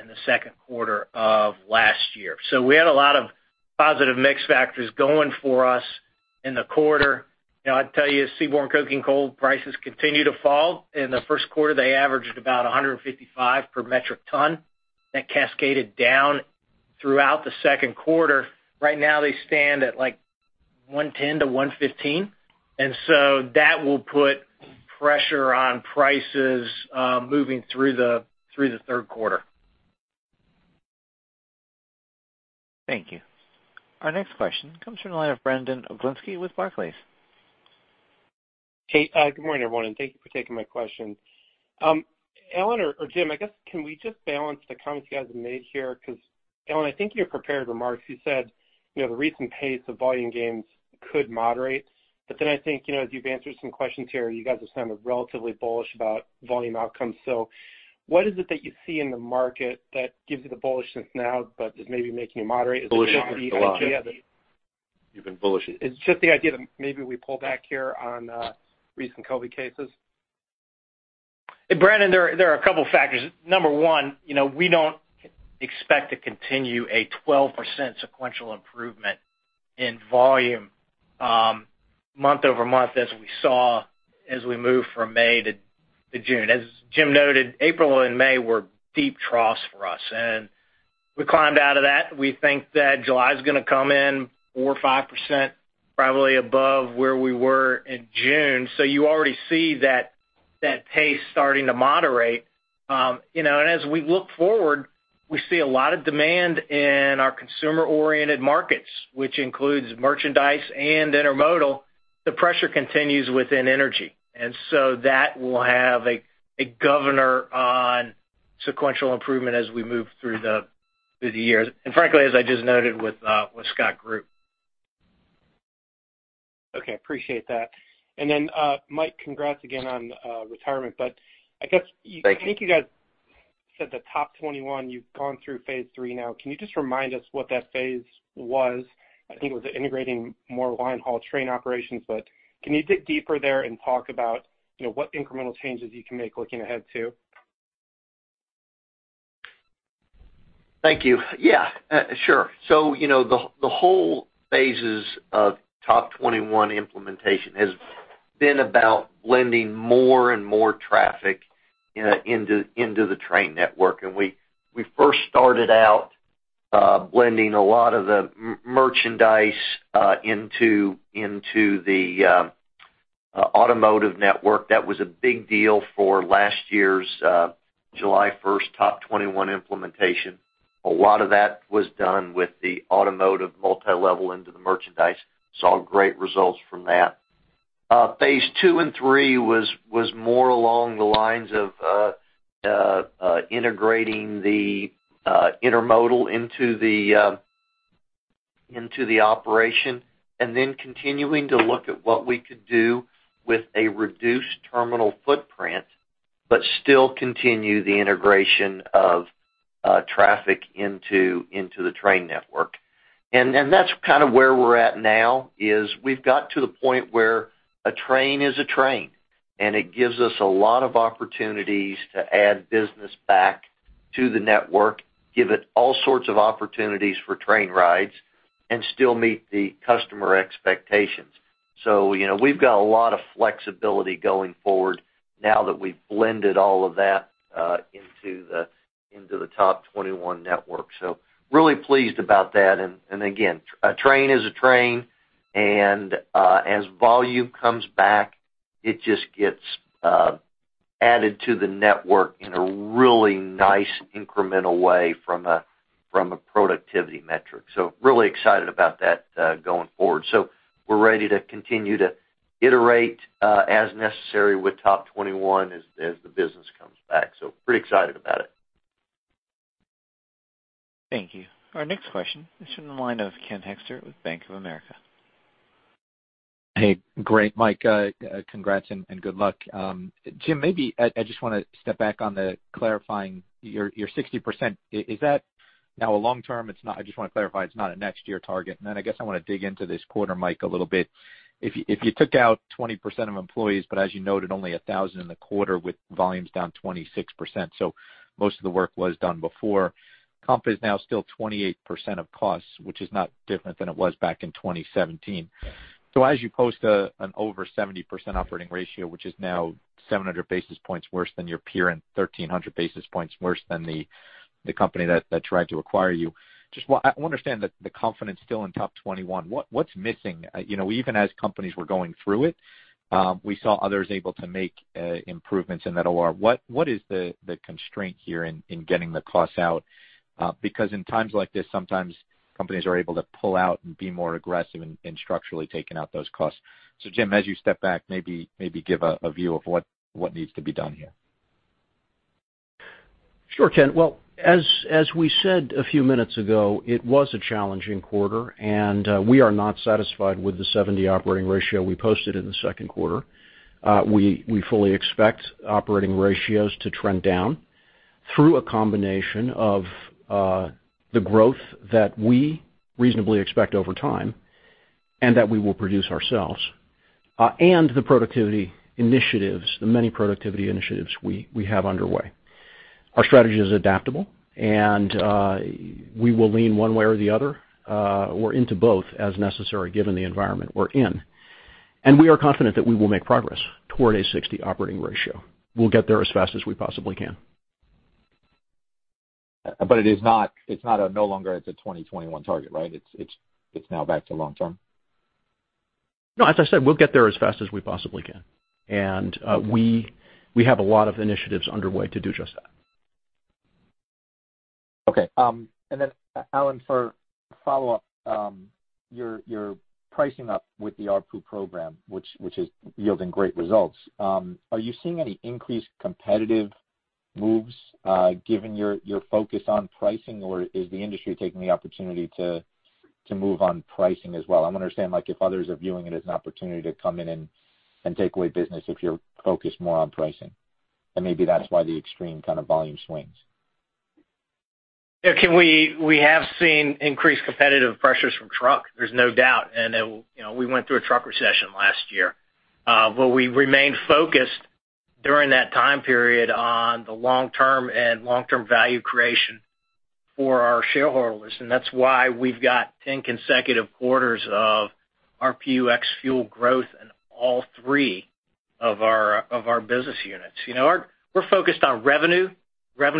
in the second quarter of last year. We had a lot of positive mix factors going for us in the quarter. I'd tell you, seaborne coking coal prices continue to fall. In the first quarter, they averaged about $155 per metric ton. That cascaded down throughout the second quarter. Right now they stand at like $110-$115. That will put pressure on prices moving through the third quarter. Thank you. Our next question comes from the line of Brandon Oglenski with Barclays. Hey, good morning everyone. Thank you for taking my question. Alan or Jim, I guess, can we just balance the comments you guys have made here? Alan, I think in your prepared remarks, you said the recent pace of volume gains could moderate. Then I think, as you've answered some questions here, you guys have sounded relatively bullish about volume outcomes. What is it that you see in the market that gives you the bullishness now but is maybe making you moderate? Bullishness is the lie. You've been bullish. It's just the idea that maybe we pull back here on recent COVID cases. Brandon, there are a couple of factors. Number one, we don't expect to continue a 12% sequential improvement in volume, month-over-month, as we saw as we moved from May to June. As Jim noted, April and May were deep troughs for us, and we climbed out of that. We think that July is going to come in 4%, 5% probably above where we were in June. You already see that pace starting to moderate. As we look forward, we see a lot of demand in our consumer-oriented markets, which includes merchandise and intermodal. The pressure continues within energy, and so that will have a governor on sequential improvement as we move through the years. Frankly, as I just noted with Scott Group. Okay. Appreciate that. Mike, congrats again on retirement. Thank you. I think you guys said the TOP21, you've gone through phase III now. Can you just remind us what that phase was? I think it was integrating more line haul train operations, but can you dig deeper there and talk about what incremental changes you can make looking ahead too? Thank you. Yeah, sure. The whole phases of TOP21 implementation has been about blending more and more traffic into the train network. We first started out blending a lot of the merchandise into the automotive network. That was a big deal for last year's July 1st TOP21 implementation. A lot of that was done with the automotive multilevel into the merchandise. Saw great results from that. Phase II and III was more along the lines of integrating the intermodal into the operation and then continuing to look at what we could do with a reduced terminal footprint, but still continue the integration of traffic into the train network. That's where we're at now, is we've got to the point where a train is a train, and it gives us a lot of opportunities to add business back to the network, give it all sorts of opportunities for train rides, and still meet the customer expectations. We've got a lot of flexibility going forward now that we've blended all of that into the TOP21 network. Really pleased about that. Again, a train is a train, and as volume comes back, it just gets added to the network in a really nice incremental way from a productivity metric. Really excited about that going forward. We're ready to continue to iterate as necessary with TOP21 as the business comes back. Pretty excited about it. Thank you. Our next question is from the line of Ken Hoexter with Bank of America. Hey, great, Mike. Congrats and good luck. Jim, maybe I just want to step back on clarifying your 60%. Is that now a long-term? I just want to clarify it's not a next year target. I guess I want to dig into this quarter, Mike, a little bit. If you took out 20% of employees, but as you noted, only 1,000 in the quarter with volumes down 26%, so most of the work was done before. Comp is now still 28% of costs, which is not different than it was back in 2017. As you post an over 70% operating ratio, which is now 700 basis points worse than your peer and 1,300 basis points worse than the company that tried to acquire you. I want to understand the confidence still in TOP21. What's missing? Even as companies were going through it, we saw others able to make improvements in that OR. What is the constraint here in getting the costs out? In times like this, sometimes companies are able to pull out and be more aggressive in structurally taking out those costs. Jim, as you step back, maybe give a view of what needs to be done here. Sure, Ken. Well, as we said a few minutes ago, it was a challenging quarter, and we are not satisfied with the 70% Operating Ratio we posted in the second quarter. We fully expect Operating Ratios to trend down through a combination of the growth that we reasonably expect over time and that we will produce ourselves, and the productivity initiatives, the many productivity initiatives we have underway. Our strategy is adaptable, and we will lean one way or the other, or into both as necessary, given the environment we're in. We are confident that we will make progress toward a 60% Operating Ratio. We'll get there as fast as we possibly can. It's no longer a 2021 target, right? It's now back to long-term? No, as I said, we'll get there as fast as we possibly can. We have a lot of initiatives underway to do just that. Okay. Alan, for a follow-up, your pricing up with the PSR program, which is yielding great results. Are you seeing any increased competitive moves, given your focus on pricing? Is the industry taking the opportunity to move on pricing as well? I'm understanding, like if others are viewing it as an opportunity to come in and take away business, if you're focused more on pricing, maybe that's why the extreme kind of volume swings. Yeah, Ken, we have seen increased competitive pressures from truck, there's no doubt. We went through a truck recession last year. We remained focused during that time period on the long-term and long-term value creation for our shareholders, and that's why we've got 10 consecutive quarters of RPU ex fuel growth in all three of our business units. We're focused on revenue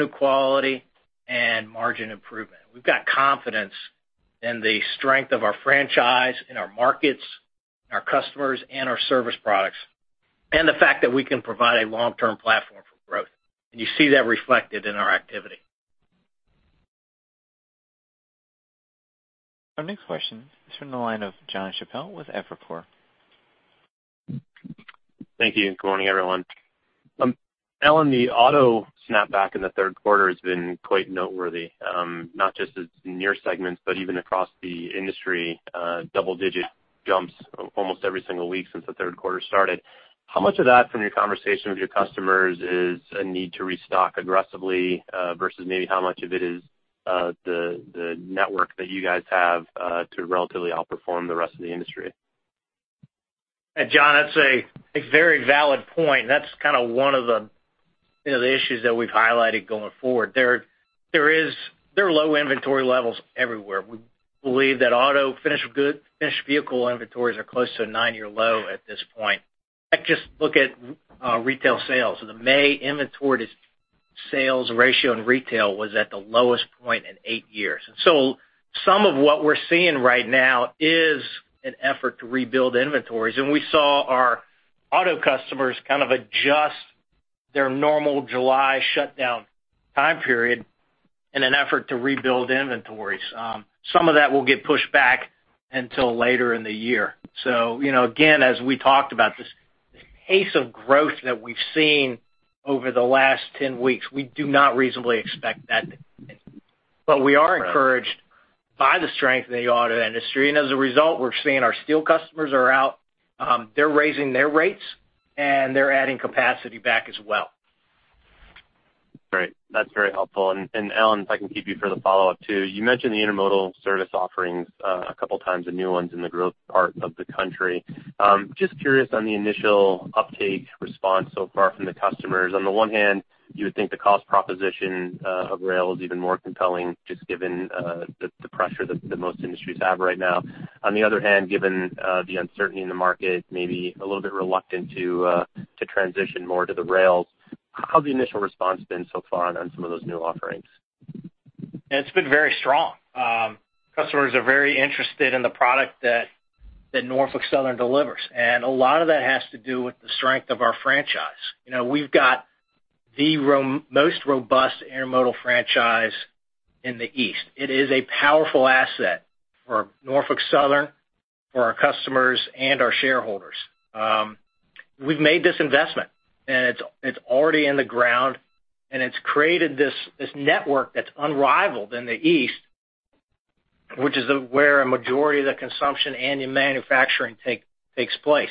quality, and margin improvement. We've got confidence in the strength of our franchise, in our markets, in our customers, and our service products, and the fact that we can provide a long-term platform for growth. You see that reflected in our activity. Our next question is from the line of Jon Chappell with Evercore. Thank you. Good morning, everyone. Alan, the auto snapback in the third quarter has been quite noteworthy. Not just as near segments, but even across the industry, double-digit jumps almost every single week since the third quarter started. How much of that, from your conversation with your customers, is a need to restock aggressively, versus maybe how much of it is the network that you guys have to relatively outperform the rest of the industry? Jon, that's a very valid point. That's kind of one of the issues that we've highlighted going forward. There are low inventory levels everywhere. We believe that auto finished vehicle inventories are close to a nine-year low at this point. I just look at retail sales. The May inventory to sales ratio in retail was at the lowest point in eight years. Some of what we're seeing right now is an effort to rebuild inventories, and we saw our auto customers kind of adjust their normal July shutdown time period in an effort to rebuild inventories. Some of that will get pushed back until later in the year. Again, as we talked about this, the pace of growth that we've seen over the last 10 weeks, we do not reasonably expect that to continue. We are encouraged by the strength in the auto industry. As a result, we're seeing our steel customers are out, they're raising their rates, and they're adding capacity back as well. Great. That's very helpful. Alan, if I can keep you for the follow-up, too. You mentioned the intermodal service offerings a couple of times, the new ones in the growth part of the country. Just curious on the initial uptake response so far from the customers. On the one hand, you would think the cost proposition of rail is even more compelling, just given the pressure that most industries have right now. On the other hand, given the uncertainty in the market, maybe a little bit reluctant to transition more to the rails. How has the initial response been so far on some of those new offerings? It's been very strong. Customers are very interested in the product that Norfolk Southern delivers, and a lot of that has to do with the strength of our franchise. We've got the most robust intermodal franchise in the East. It is a powerful asset for Norfolk Southern, for our customers, and our shareholders. We've made this investment, and it's already in the ground, and it's created this network that's unrivaled in the East, which is where a majority of the consumption and manufacturing takes place.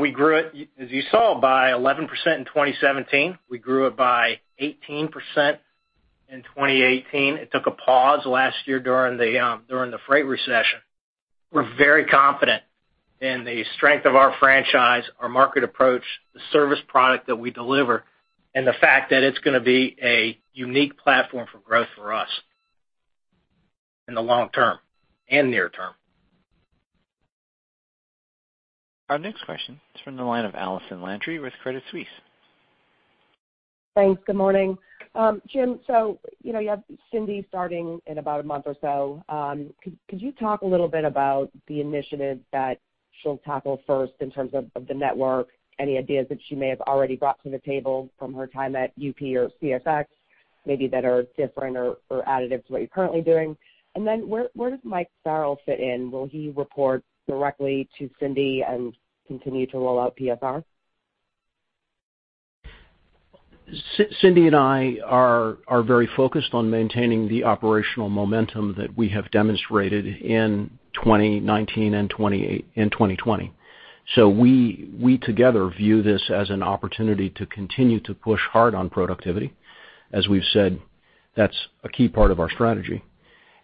We grew it, as you saw, by 11% in 2017. We grew it by 18% in 2018. It took a pause last year during the freight recession. We're very confident in the strength of our franchise, our market approach, the service product that we deliver, and the fact that it's going to be a unique platform for growth for us in the long term and near term. Our next question is from the line of Allison Landry with Credit Suisse. Thanks. Good morning. Jim, you have Cindy starting in about a month or so. Could you talk a little bit about the initiatives that she'll tackle first in terms of the network? Any ideas that she may have already brought to the table from her time at UP or CSX, maybe that are different or additive to what you're currently doing? Where does Mike Farrell fit in? Will he report directly to Cindy and continue to roll out PSR? Cindy and I are very focused on maintaining the operational momentum that we have demonstrated in 2019 and 2020. We together view this as an opportunity to continue to push hard on productivity. As we've said, that's a key part of our strategy.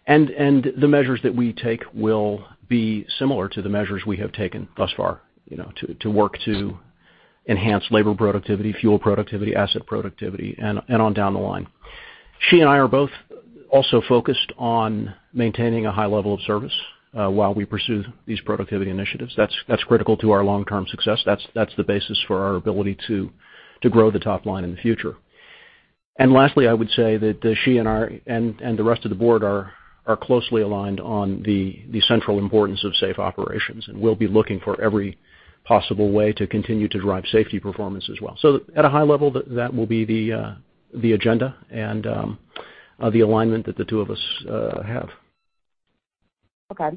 The measures that we take will be similar to the measures we have taken thus far, to work to enhance labor productivity, fuel productivity, asset productivity, and on down the line. She and I are both also focused on maintaining a high level of service while we pursue these productivity initiatives. That's critical to our long-term success. That's the basis for our ability to grow the top line in the future. Lastly, I would say that she and the rest of the board are closely aligned on the central importance of safe operations, and we'll be looking for every possible way to continue to drive safety performance as well. At a high level, that will be the agenda and the alignment that the two of us have. Okay.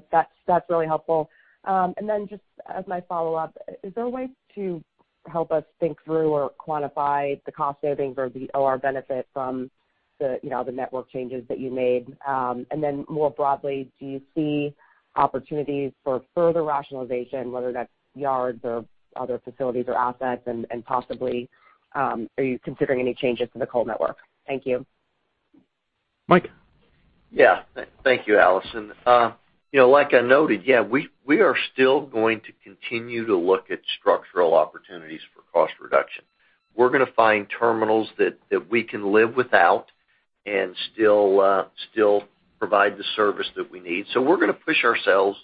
That's really helpful. Just as my follow-up, is there a way to help us think through or quantify the cost savings or the OR benefit from the network changes that you made? More broadly, do you see opportunities for further rationalization, whether that's yards or other facilities or assets, and possibly, are you considering any changes to the coal network? Thank you. Mike? Thank you, Allison. Like I noted, we are still going to continue to look at structural opportunities for cost reduction. We're going to find terminals that we can live without and still provide the service that we need. We're going to push ourselves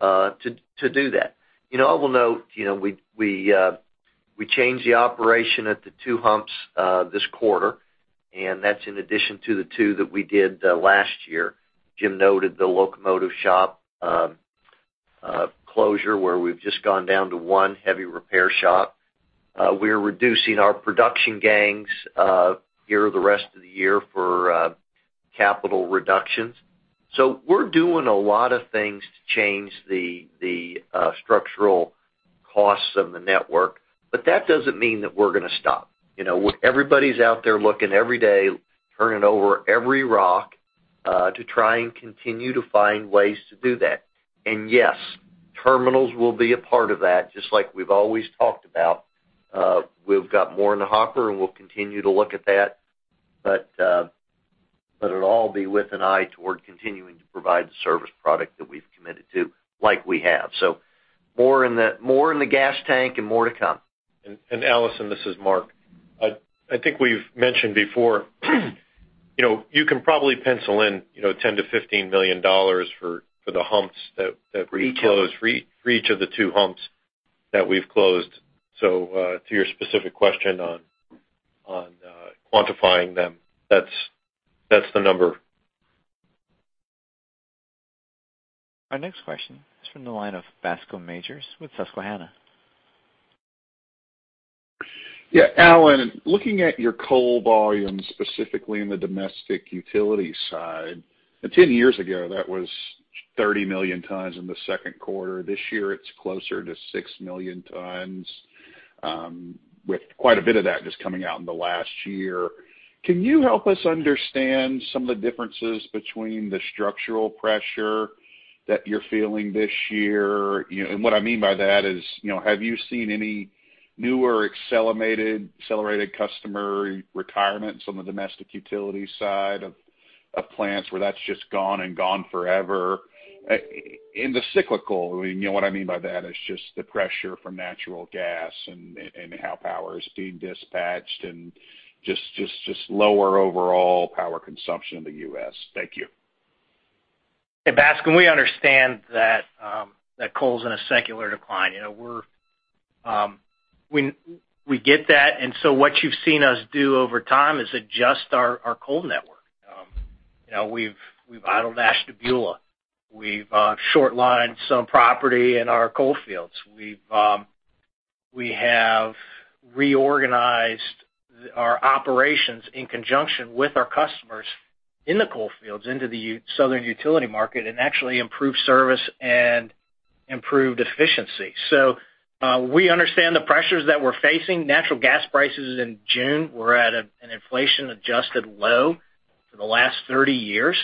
to do that. I will note, we changed the operation at the two humps this quarter, and that's in addition to the two that we did last year. Jim noted the locomotive shop closure, where we've just gone down to one heavy repair shop. We're reducing our production gangs here the rest of the year for capital reductions. We're doing a lot of things to change the structural costs of the network. That doesn't mean that we're going to stop. Everybody's out there looking every day, turning over every rock, to try and continue to find ways to do that. Yes, terminals will be a part of that, just like we've always talked about. We've got more in the hopper, and we'll continue to look at that. It'll all be with an eye toward continuing to provide the service product that we've committed to, like we have. More in the gas tank and more to come. Allison, this is Mark. I think we've mentioned before you can probably pencil in $10 million-$15 million for the humps that we closed. Each hump. For each of the two humps that we've closed. To your specific question on quantifying them, that's the number. Our next question is from the line of Bascome Majors with Susquehanna. Alan, looking at your coal volumes, specifically in the domestic utility side, 10 years ago, that was 30 million tons in the second quarter. This year, it's closer to 6 million tons, with quite a bit of that just coming out in the last year. Can you help us understand some of the differences between the structural pressure that you're feeling this year? What I mean by that is, have you seen any new or accelerated customer retirement on the domestic utility side of plants where that's just gone and gone forever? In the cyclical, what I mean by that is just the pressure from natural gas and how power is being dispatched and just lower overall power consumption in the U.S. Thank you. Hey, Bascome, we understand that coal's in a secular decline. We get that, and so what you've seen us do over time is adjust our coal network. We've idled Ashtabula. We've short lined some property in our coal fields. We have reorganized our operations in conjunction with our customers in the coal fields into the southern utility market and actually improved service and improved efficiency. We understand the pressures that we're facing. Natural gas prices in June were at an inflation-adjusted low for the last 30 years.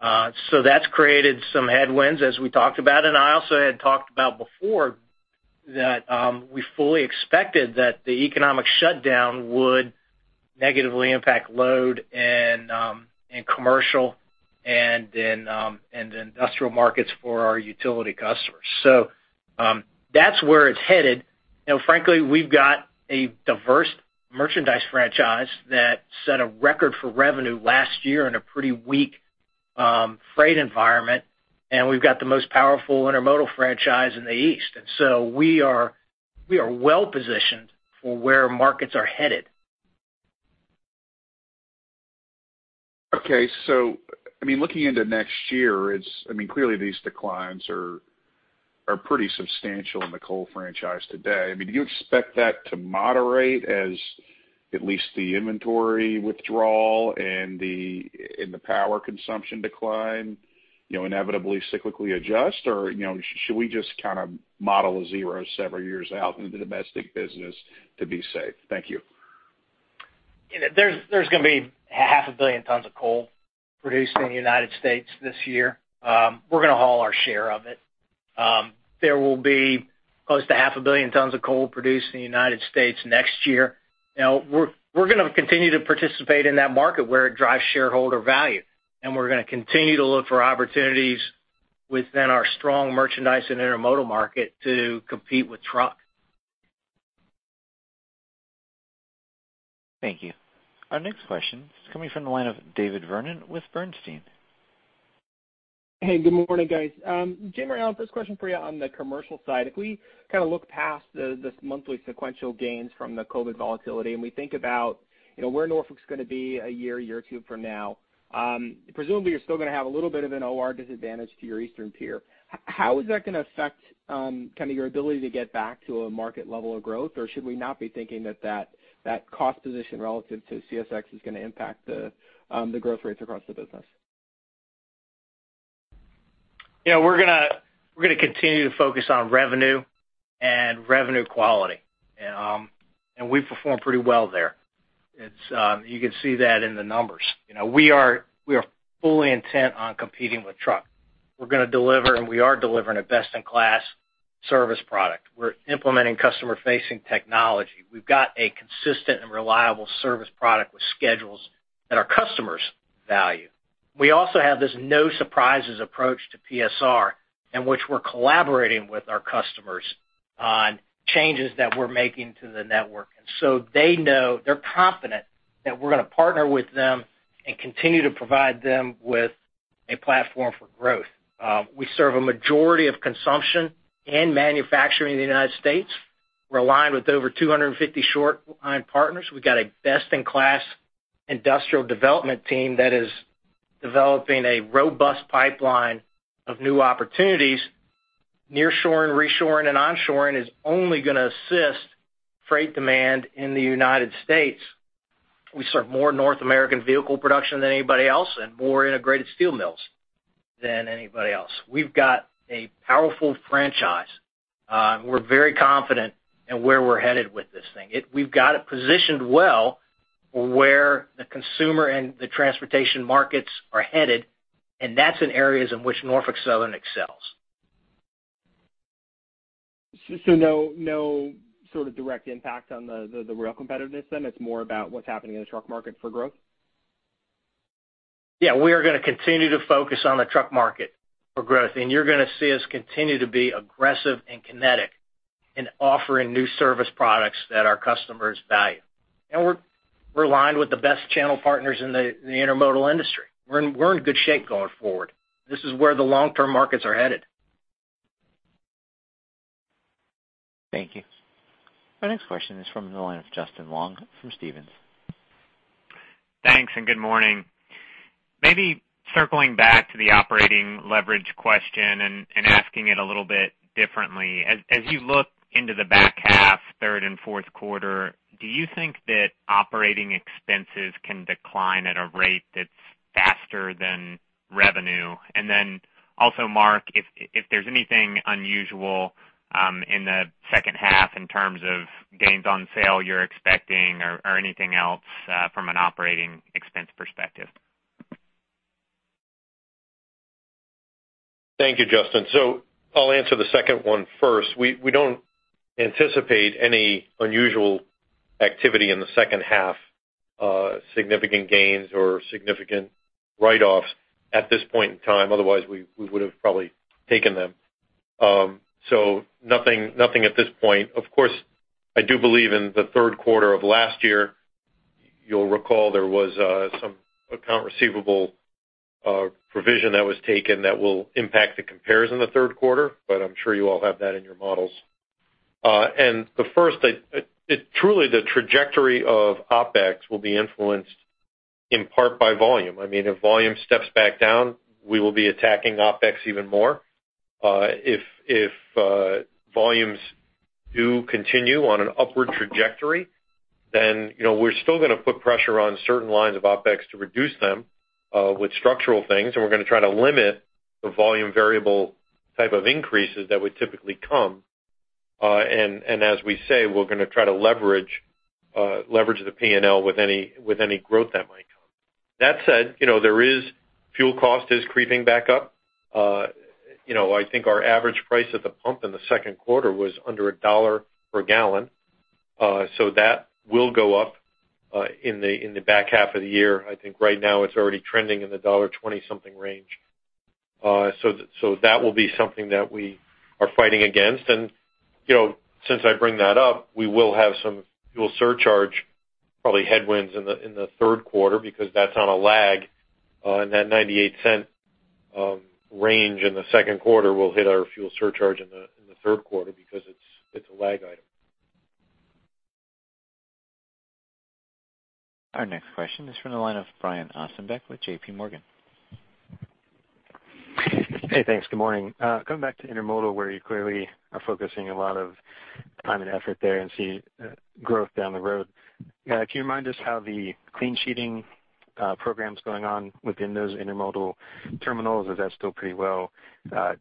That's created some headwinds, as we talked about, and I also had talked about before that we fully expected that the economic shutdown would negatively impact load and commercial and industrial markets for our utility customers. That's where it's headed. Frankly, we've got a diverse merchandise franchise that set a record for revenue last year in a pretty weak freight environment, and we've got the most powerful intermodal franchise in the east. We are well-positioned for where markets are headed. Okay. Looking into next year, clearly these declines are pretty substantial in the coal franchise today. Do you expect that to moderate as at least the inventory withdrawal and the power consumption decline inevitably cyclically adjust, or should we just kind of model a zero several years out into the domestic business to be safe? Thank you. There's going to be half a billion tons of coal produced in the United States this year. We're going to haul our share of it. There will be close to half a billion tons of coal produced in the United States next year. We're going to continue to participate in that market where it drives shareholder value, and we're going to continue to look for opportunities within our strong merchandise and intermodal market to compete with truck. Thank you. Our next question is coming from the line of David Vernon with Bernstein. Hey, good morning, guys. Jim or Alan, first question for you on the commercial side. We kind of look past this monthly sequential gains from the COVID volatility, and we think about where Norfolk's going to be a year or two from now, presumably you're still going to have a little bit of an OR disadvantage to your eastern peer. How is that going to affect your ability to get back to a market level of growth? Should we not be thinking that cost position relative to CSX is going to impact the growth rates across the business? We're going to continue to focus on revenue and revenue quality. We perform pretty well there. You can see that in the numbers. We are fully intent on competing with truck. We're going to deliver, and we are delivering a best-in-class service product. We're implementing customer-facing technology. We've got a consistent and reliable service product with schedules that our customers value. We also have this no surprises approach to PSR, in which we're collaborating with our customers on changes that we're making to the network. They know, they're confident, that we're going to partner with them and continue to provide them with a platform for growth. We serve a majority of consumption and manufacturing in the U.S. We're aligned with over 250 short line partners. We got a best-in-class industrial development team that is developing a robust pipeline of new opportunities. Nearshoring, reshoring, and onshoring is only going to assist freight demand in the United States. We serve more North American vehicle production than anybody else and more integrated steel mills than anybody else. We've got a powerful franchise. We're very confident in where we're headed with this thing. We've got it positioned well for where the consumer and the transportation markets are headed, and that's in areas in which Norfolk Southern excels. No sort of direct impact on the real competitiveness then? It's more about what's happening in the truck market for growth? We are going to continue to focus on the truck market for growth, and you're going to see us continue to be aggressive and kinetic in offering new service products that our customers value. We're aligned with the best channel partners in the intermodal industry. We're in good shape going forward. This is where the long-term markets are headed. Thank you. Our next question is from the line of Justin Long from Stephens. Thanks and good morning. Maybe circling back to the operating leverage question and asking it a little bit differently. As you look into the back half, third and fourth quarter, do you think that operating expenses can decline at a rate that's faster than revenue? Then also, Mark, if there's anything unusual in the second half in terms of gains on sale you're expecting or anything else from an operating expense perspective. Thank you, Justin. I'll answer the second one first. We don't anticipate any unusual activity in the second half, significant gains or significant write-offs at this point in time. Otherwise, we would've probably taken them. Nothing at this point. Of course, I do believe in the third quarter of last year, you'll recall there was some account receivable provision that was taken that will impact the compares in the third quarter, but I'm sure you all have that in your models. The first, truly the trajectory of OpEx will be influenced in part by volume. If volume steps back down, we will be attacking OpEx even more. If volumes do continue on an upward trajectory, then we're still going to put pressure on certain lines of OpEx to reduce them with structural things, and we're going to try to limit the volume variable type of increases that would typically come. As we say, we're going to try to leverage the P&L with any growth that might come. That said, fuel cost is creeping back up. I think our average price at the pump in the second quarter was under $1 per gallon. That will go up in the back half of the year. I think right now it's already trending in the $1.20 something range. That will be something that we are fighting against. Since I bring that up, we will have some fuel surcharge probably headwinds in the third quarter because that's on a lag, and that $0.98 range in the second quarter will hit our fuel surcharge in the third quarter because it's a lag item. Our next question is from the line of Brian Ossenbeck with JPMorgan. Hey, thanks. Good morning. Coming back to intermodal, where you clearly are focusing a lot of time and effort there and see growth down the road. Can you remind us how the clean sheeting program's going on within those intermodal terminals? Is that still pretty well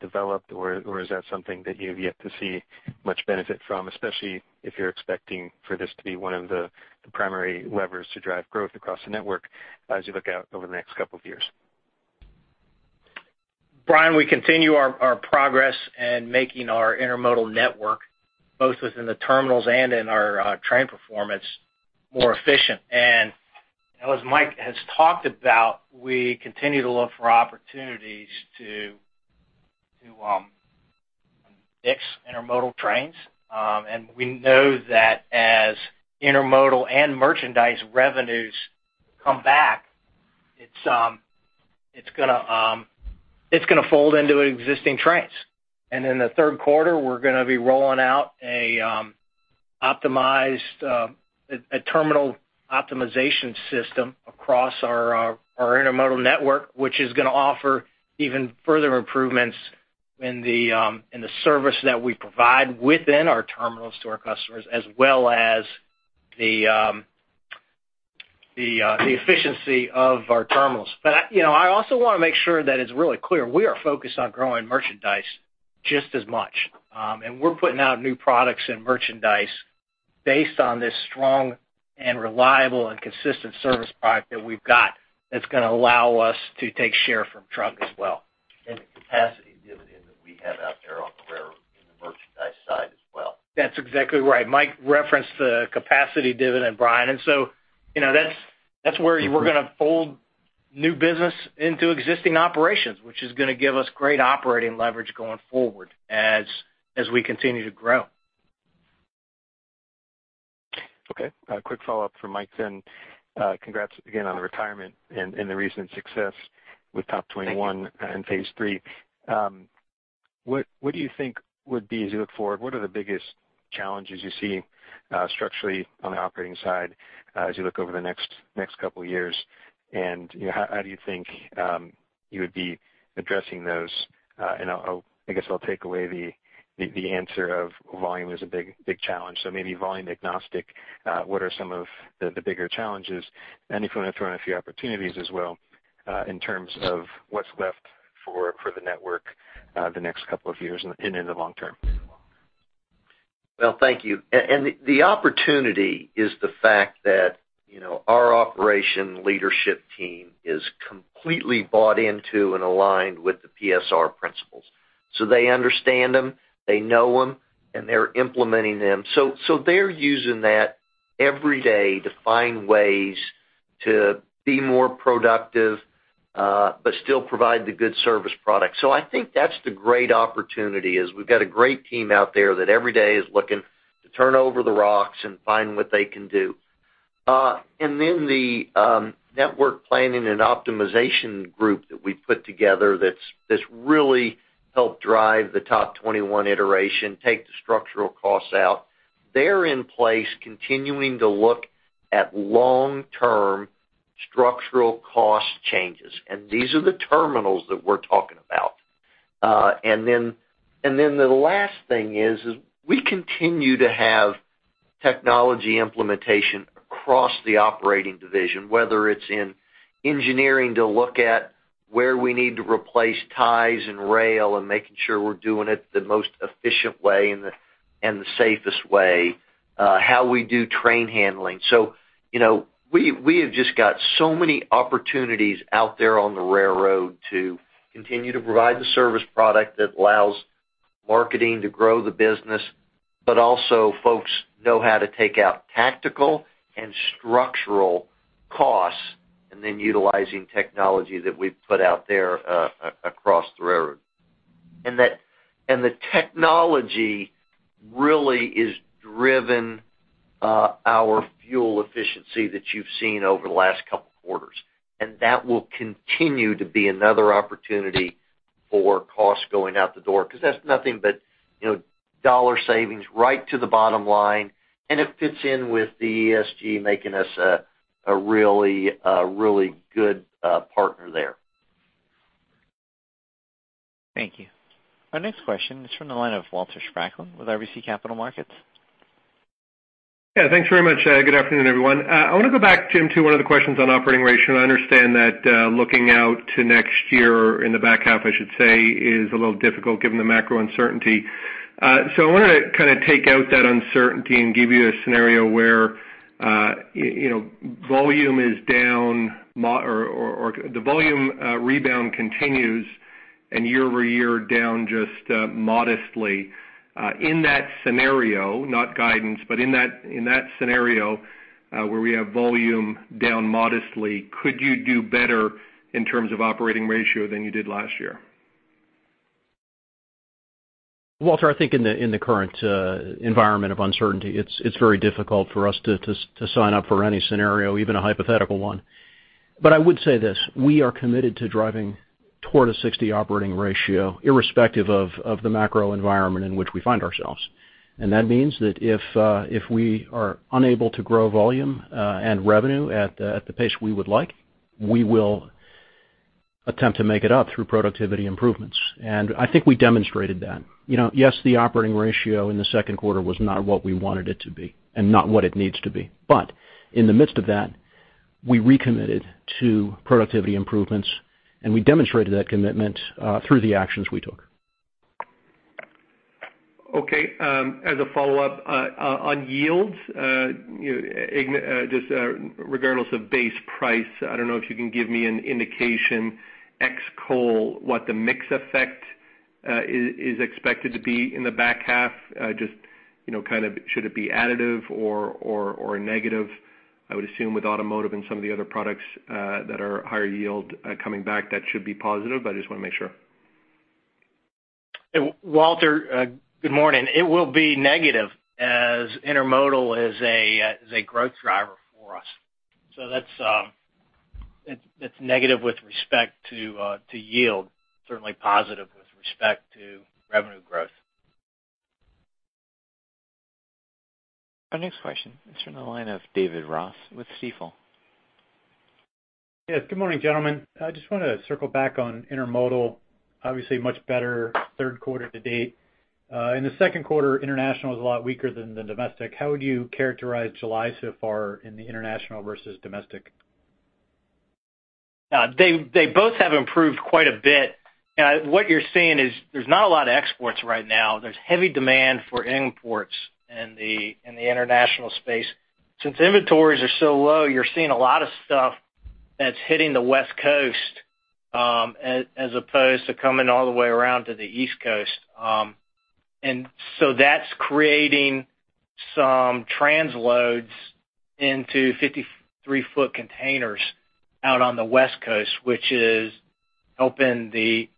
developed, or is that something that you have yet to see much benefit from, especially if you're expecting for this to be one of the primary levers to drive growth across the network as you look out over the next couple of years? Brian, we continue our progress in making our intermodal network, both within the terminals and in our train performance, more efficient. As Mike has talked about, we continue to look for opportunities to mix intermodal trains. We know that as intermodal and merchandise revenues come back, it's going to fold into existing trains. In the third quarter, we're going to be rolling out a terminal optimization system across our intermodal network, which is going to offer even further improvements in the service that we provide within our terminals to our customers, as well as the efficiency of our terminals. I also want to make sure that it's really clear we are focused on growing merchandise just as much. We're putting out new products and merchandise based on this strong and reliable and consistent service product that we've got that's going to allow us to take share from truck as well. The capacity dividend that we have out there on the railroad in the merchandise side as well. That's exactly right. Mike referenced the capacity dividend, Brian. That's where we're going to fold new business into existing operations, which is going to give us great operating leverage going forward as we continue to grow. Okay. A quick follow-up from Mike then. Congrats again on the retirement and the recent success with TOP21. Thank you. Phase III. What do you think would be, as you look forward, what are the biggest challenges you see structurally on the operating side as you look over the next couple of years, and how do you think you would be addressing those? I guess I'll take away the answer of volume is a big challenge, so maybe volume agnostic. What are some of the bigger challenges? If you want to throw in a few opportunities as well in terms of what's left for the network the next couple of years and in the long term as well. Thank you. The opportunity is the fact that our operations leadership team is completely bought into and aligned with the PSR principles. They understand them, they know them, and they're implementing them. They're using that every day to find ways to be more productive, but still provide the good service product. I think that's the great opportunity, is we've got a great team out there that every day is looking to turn over the rocks and find what they can do. The network planning and optimization group that we put together that's really helped drive the TOP21 iteration, take the structural costs out. They're in place continuing to look at long-term structural cost changes. These are the terminals that we're talking about. The last thing is we continue to have technology implementation across the operating division, whether it's in engineering to look at where we need to replace ties and rail and making sure we're doing it the most efficient way and the safest way, how we do train handling. We have just got so many opportunities out there on the railroad to continue to provide the service product that allows marketing to grow the business, but also folks know how to take out tactical and structural costs, and then utilizing technology that we've put out there across the railroad. The technology really is driven our fuel efficiency that you've seen over the last couple of quarters. That will continue to be another opportunity for costs going out the door, because that's nothing but dollar savings right to the bottom line, and it fits in with the ESG making us a really good partner there. Thank you. Our next question is from the line of Walter Spracklin with RBC Capital Markets. Yeah, thanks very much. Good afternoon, everyone. I want to go back, Jim, to one of the questions on operating ratio, and I understand that looking out to next year or in the back half, I should say, is a little difficult given the macro uncertainty. I want to kind of take out that uncertainty and give you a scenario where volume is down or the volume rebound continues and year-over-year down just modestly. In that scenario, not guidance, but in that scenario where we have volume down modestly, could you do better in terms of operating ratio than you did last year? Walter, I think in the current environment of uncertainty, it's very difficult for us to sign up for any scenario, even a hypothetical one. I would say this, we are committed to driving toward a 60% Operating Ratio, irrespective of the macro environment in which we find ourselves. That means that if we are unable to grow volume and revenue at the pace we would like, we will attempt to make it up through productivity improvements. I think we demonstrated that. Yes, the operating ratio in the second quarter was not what we wanted it to be and not what it needs to be. In the midst of that, we recommitted to productivity improvements, and we demonstrated that commitment through the actions we took. Okay. As a follow-up, on yields, just regardless of base price, I don't know if you can give me an indication ex coal, what the mix effect is expected to be in the back half. Just kind of should it be additive or a negative? I would assume with automotive and some of the other products that are higher yield coming back, that should be positive, but I just want to make sure. Walter, good morning. It will be negative as intermodal is a growth driver for us. That's negative with respect to yield, certainly positive with respect to revenue growth. Our next question is from the line of David Ross with Stifel. Yes. Good morning, gentlemen. I just want to circle back on intermodal. Obviously, much better third quarter to date. In the second quarter, international was a lot weaker than the domestic. How would you characterize July so far in the international versus domestic? They both have improved quite a bit. What you're seeing is there's not a lot of exports right now. There's heavy demand for imports in the international space. Since inventories are so low, you're seeing a lot of stuff that's hitting the West Coast, as opposed to coming all the way around to the East Coast. That's creating some transloads into 53-foot containers out on the West Coast, which is helping the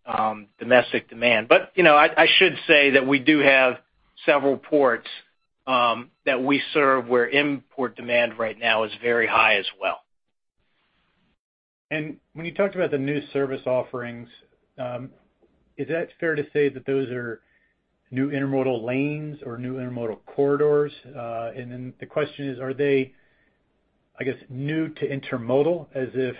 domestic demand. I should say that we do have several ports that we serve where import demand right now is very high as well. When you talked about the new service offerings, is that fair to say that those are new intermodal lanes or new intermodal corridors? The question is, are they, I guess, new to intermodal as if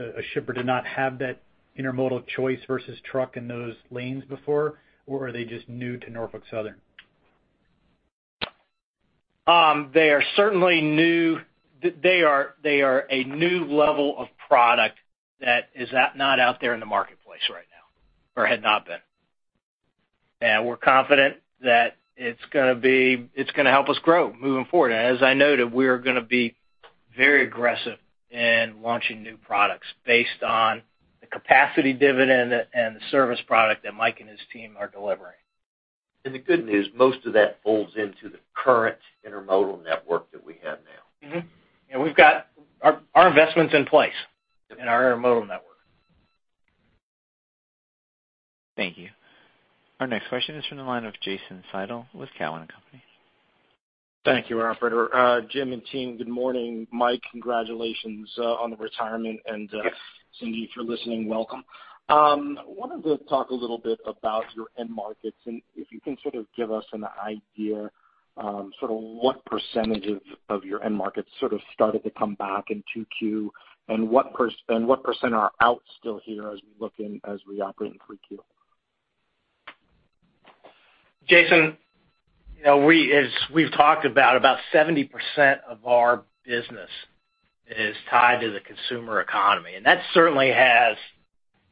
a shipper did not have that intermodal choice versus truck in those lanes before? Or are they just new to Norfolk Southern? They are a new level of product that is not out there in the marketplace right now, or had not been. We're confident that it's going to help us grow moving forward. As I noted, we are going to be very aggressive in launching new products based on the capacity dividend and the service product that Mike and his team are delivering. The good news, most of that folds into the current intermodal network that we have now. Our investment's in place in our intermodal network. Thank you. Our next question is from the line of Jason Seidl with Cowen and Company. Thank you, operator. Jim and team, good morning. Mike, congratulations on the retirement. Cindy, if you're listening, welcome. I wanted to talk a little bit about your end markets, and if you can sort of give us an idea, sort of what percentage of your end markets sort of started to come back in Q2, and what percentage are out still here as we operate in Q3. Jason, as we've talked about 70% of our business is tied to the consumer economy. That certainly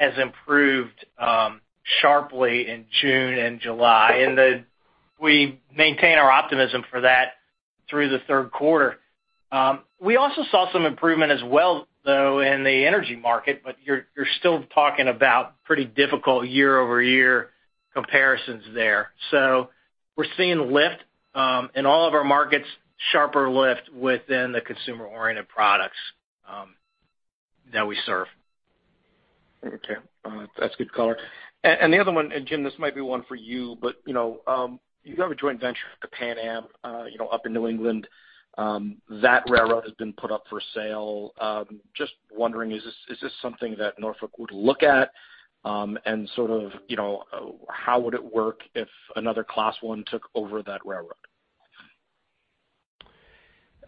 has improved sharply in June and July, and we maintain our optimism for that through the third quarter. We also saw some improvement as well, though, in the energy market, but you're still talking about pretty difficult year-over-year comparisons there. We're seeing lift in all of our markets, sharper lift within the consumer-oriented products that we serve. Okay. That's good color. The other one, Jim, this might be one for you, but you have a joint venture with Pan Am up in New England. That railroad has been put up for sale. Just wondering, is this something that Norfolk would look at? Sort of how would it work if another Class I took over that railroad?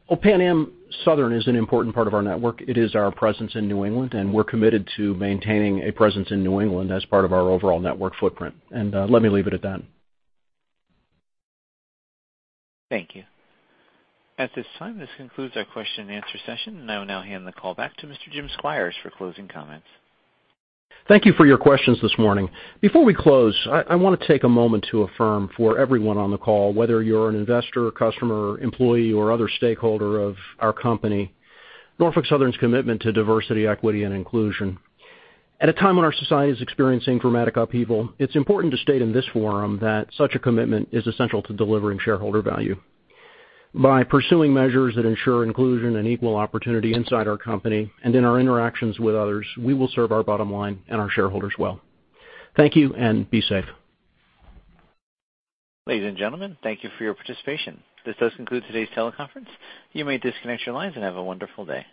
Well, Pan Am Southern is an important part of our network. It is our presence in New England, and we're committed to maintaining a presence in New England as part of our overall network footprint. Let me leave it at that. Thank you. At this time, this concludes our question-and-answer session, and I will now hand the call back to Mr. Jim Squires for closing comments. Thank you for your questions this morning. Before we close, I want to take a moment to affirm for everyone on the call, whether you are an investor, customer, employee, or other stakeholder of our company, Norfolk Southern's commitment to diversity, equity, and inclusion. At a time when our society is experiencing dramatic upheaval, it is important to state in this forum that such a commitment is essential to delivering shareholder value. By pursuing measures that ensure inclusion and equal opportunity inside our company and in our interactions with others, we will serve our bottom line and our shareholders well. Thank you, and be safe. Ladies and gentlemen, thank you for your participation. This does conclude today's teleconference. You may disconnect your lines, and have a wonderful day.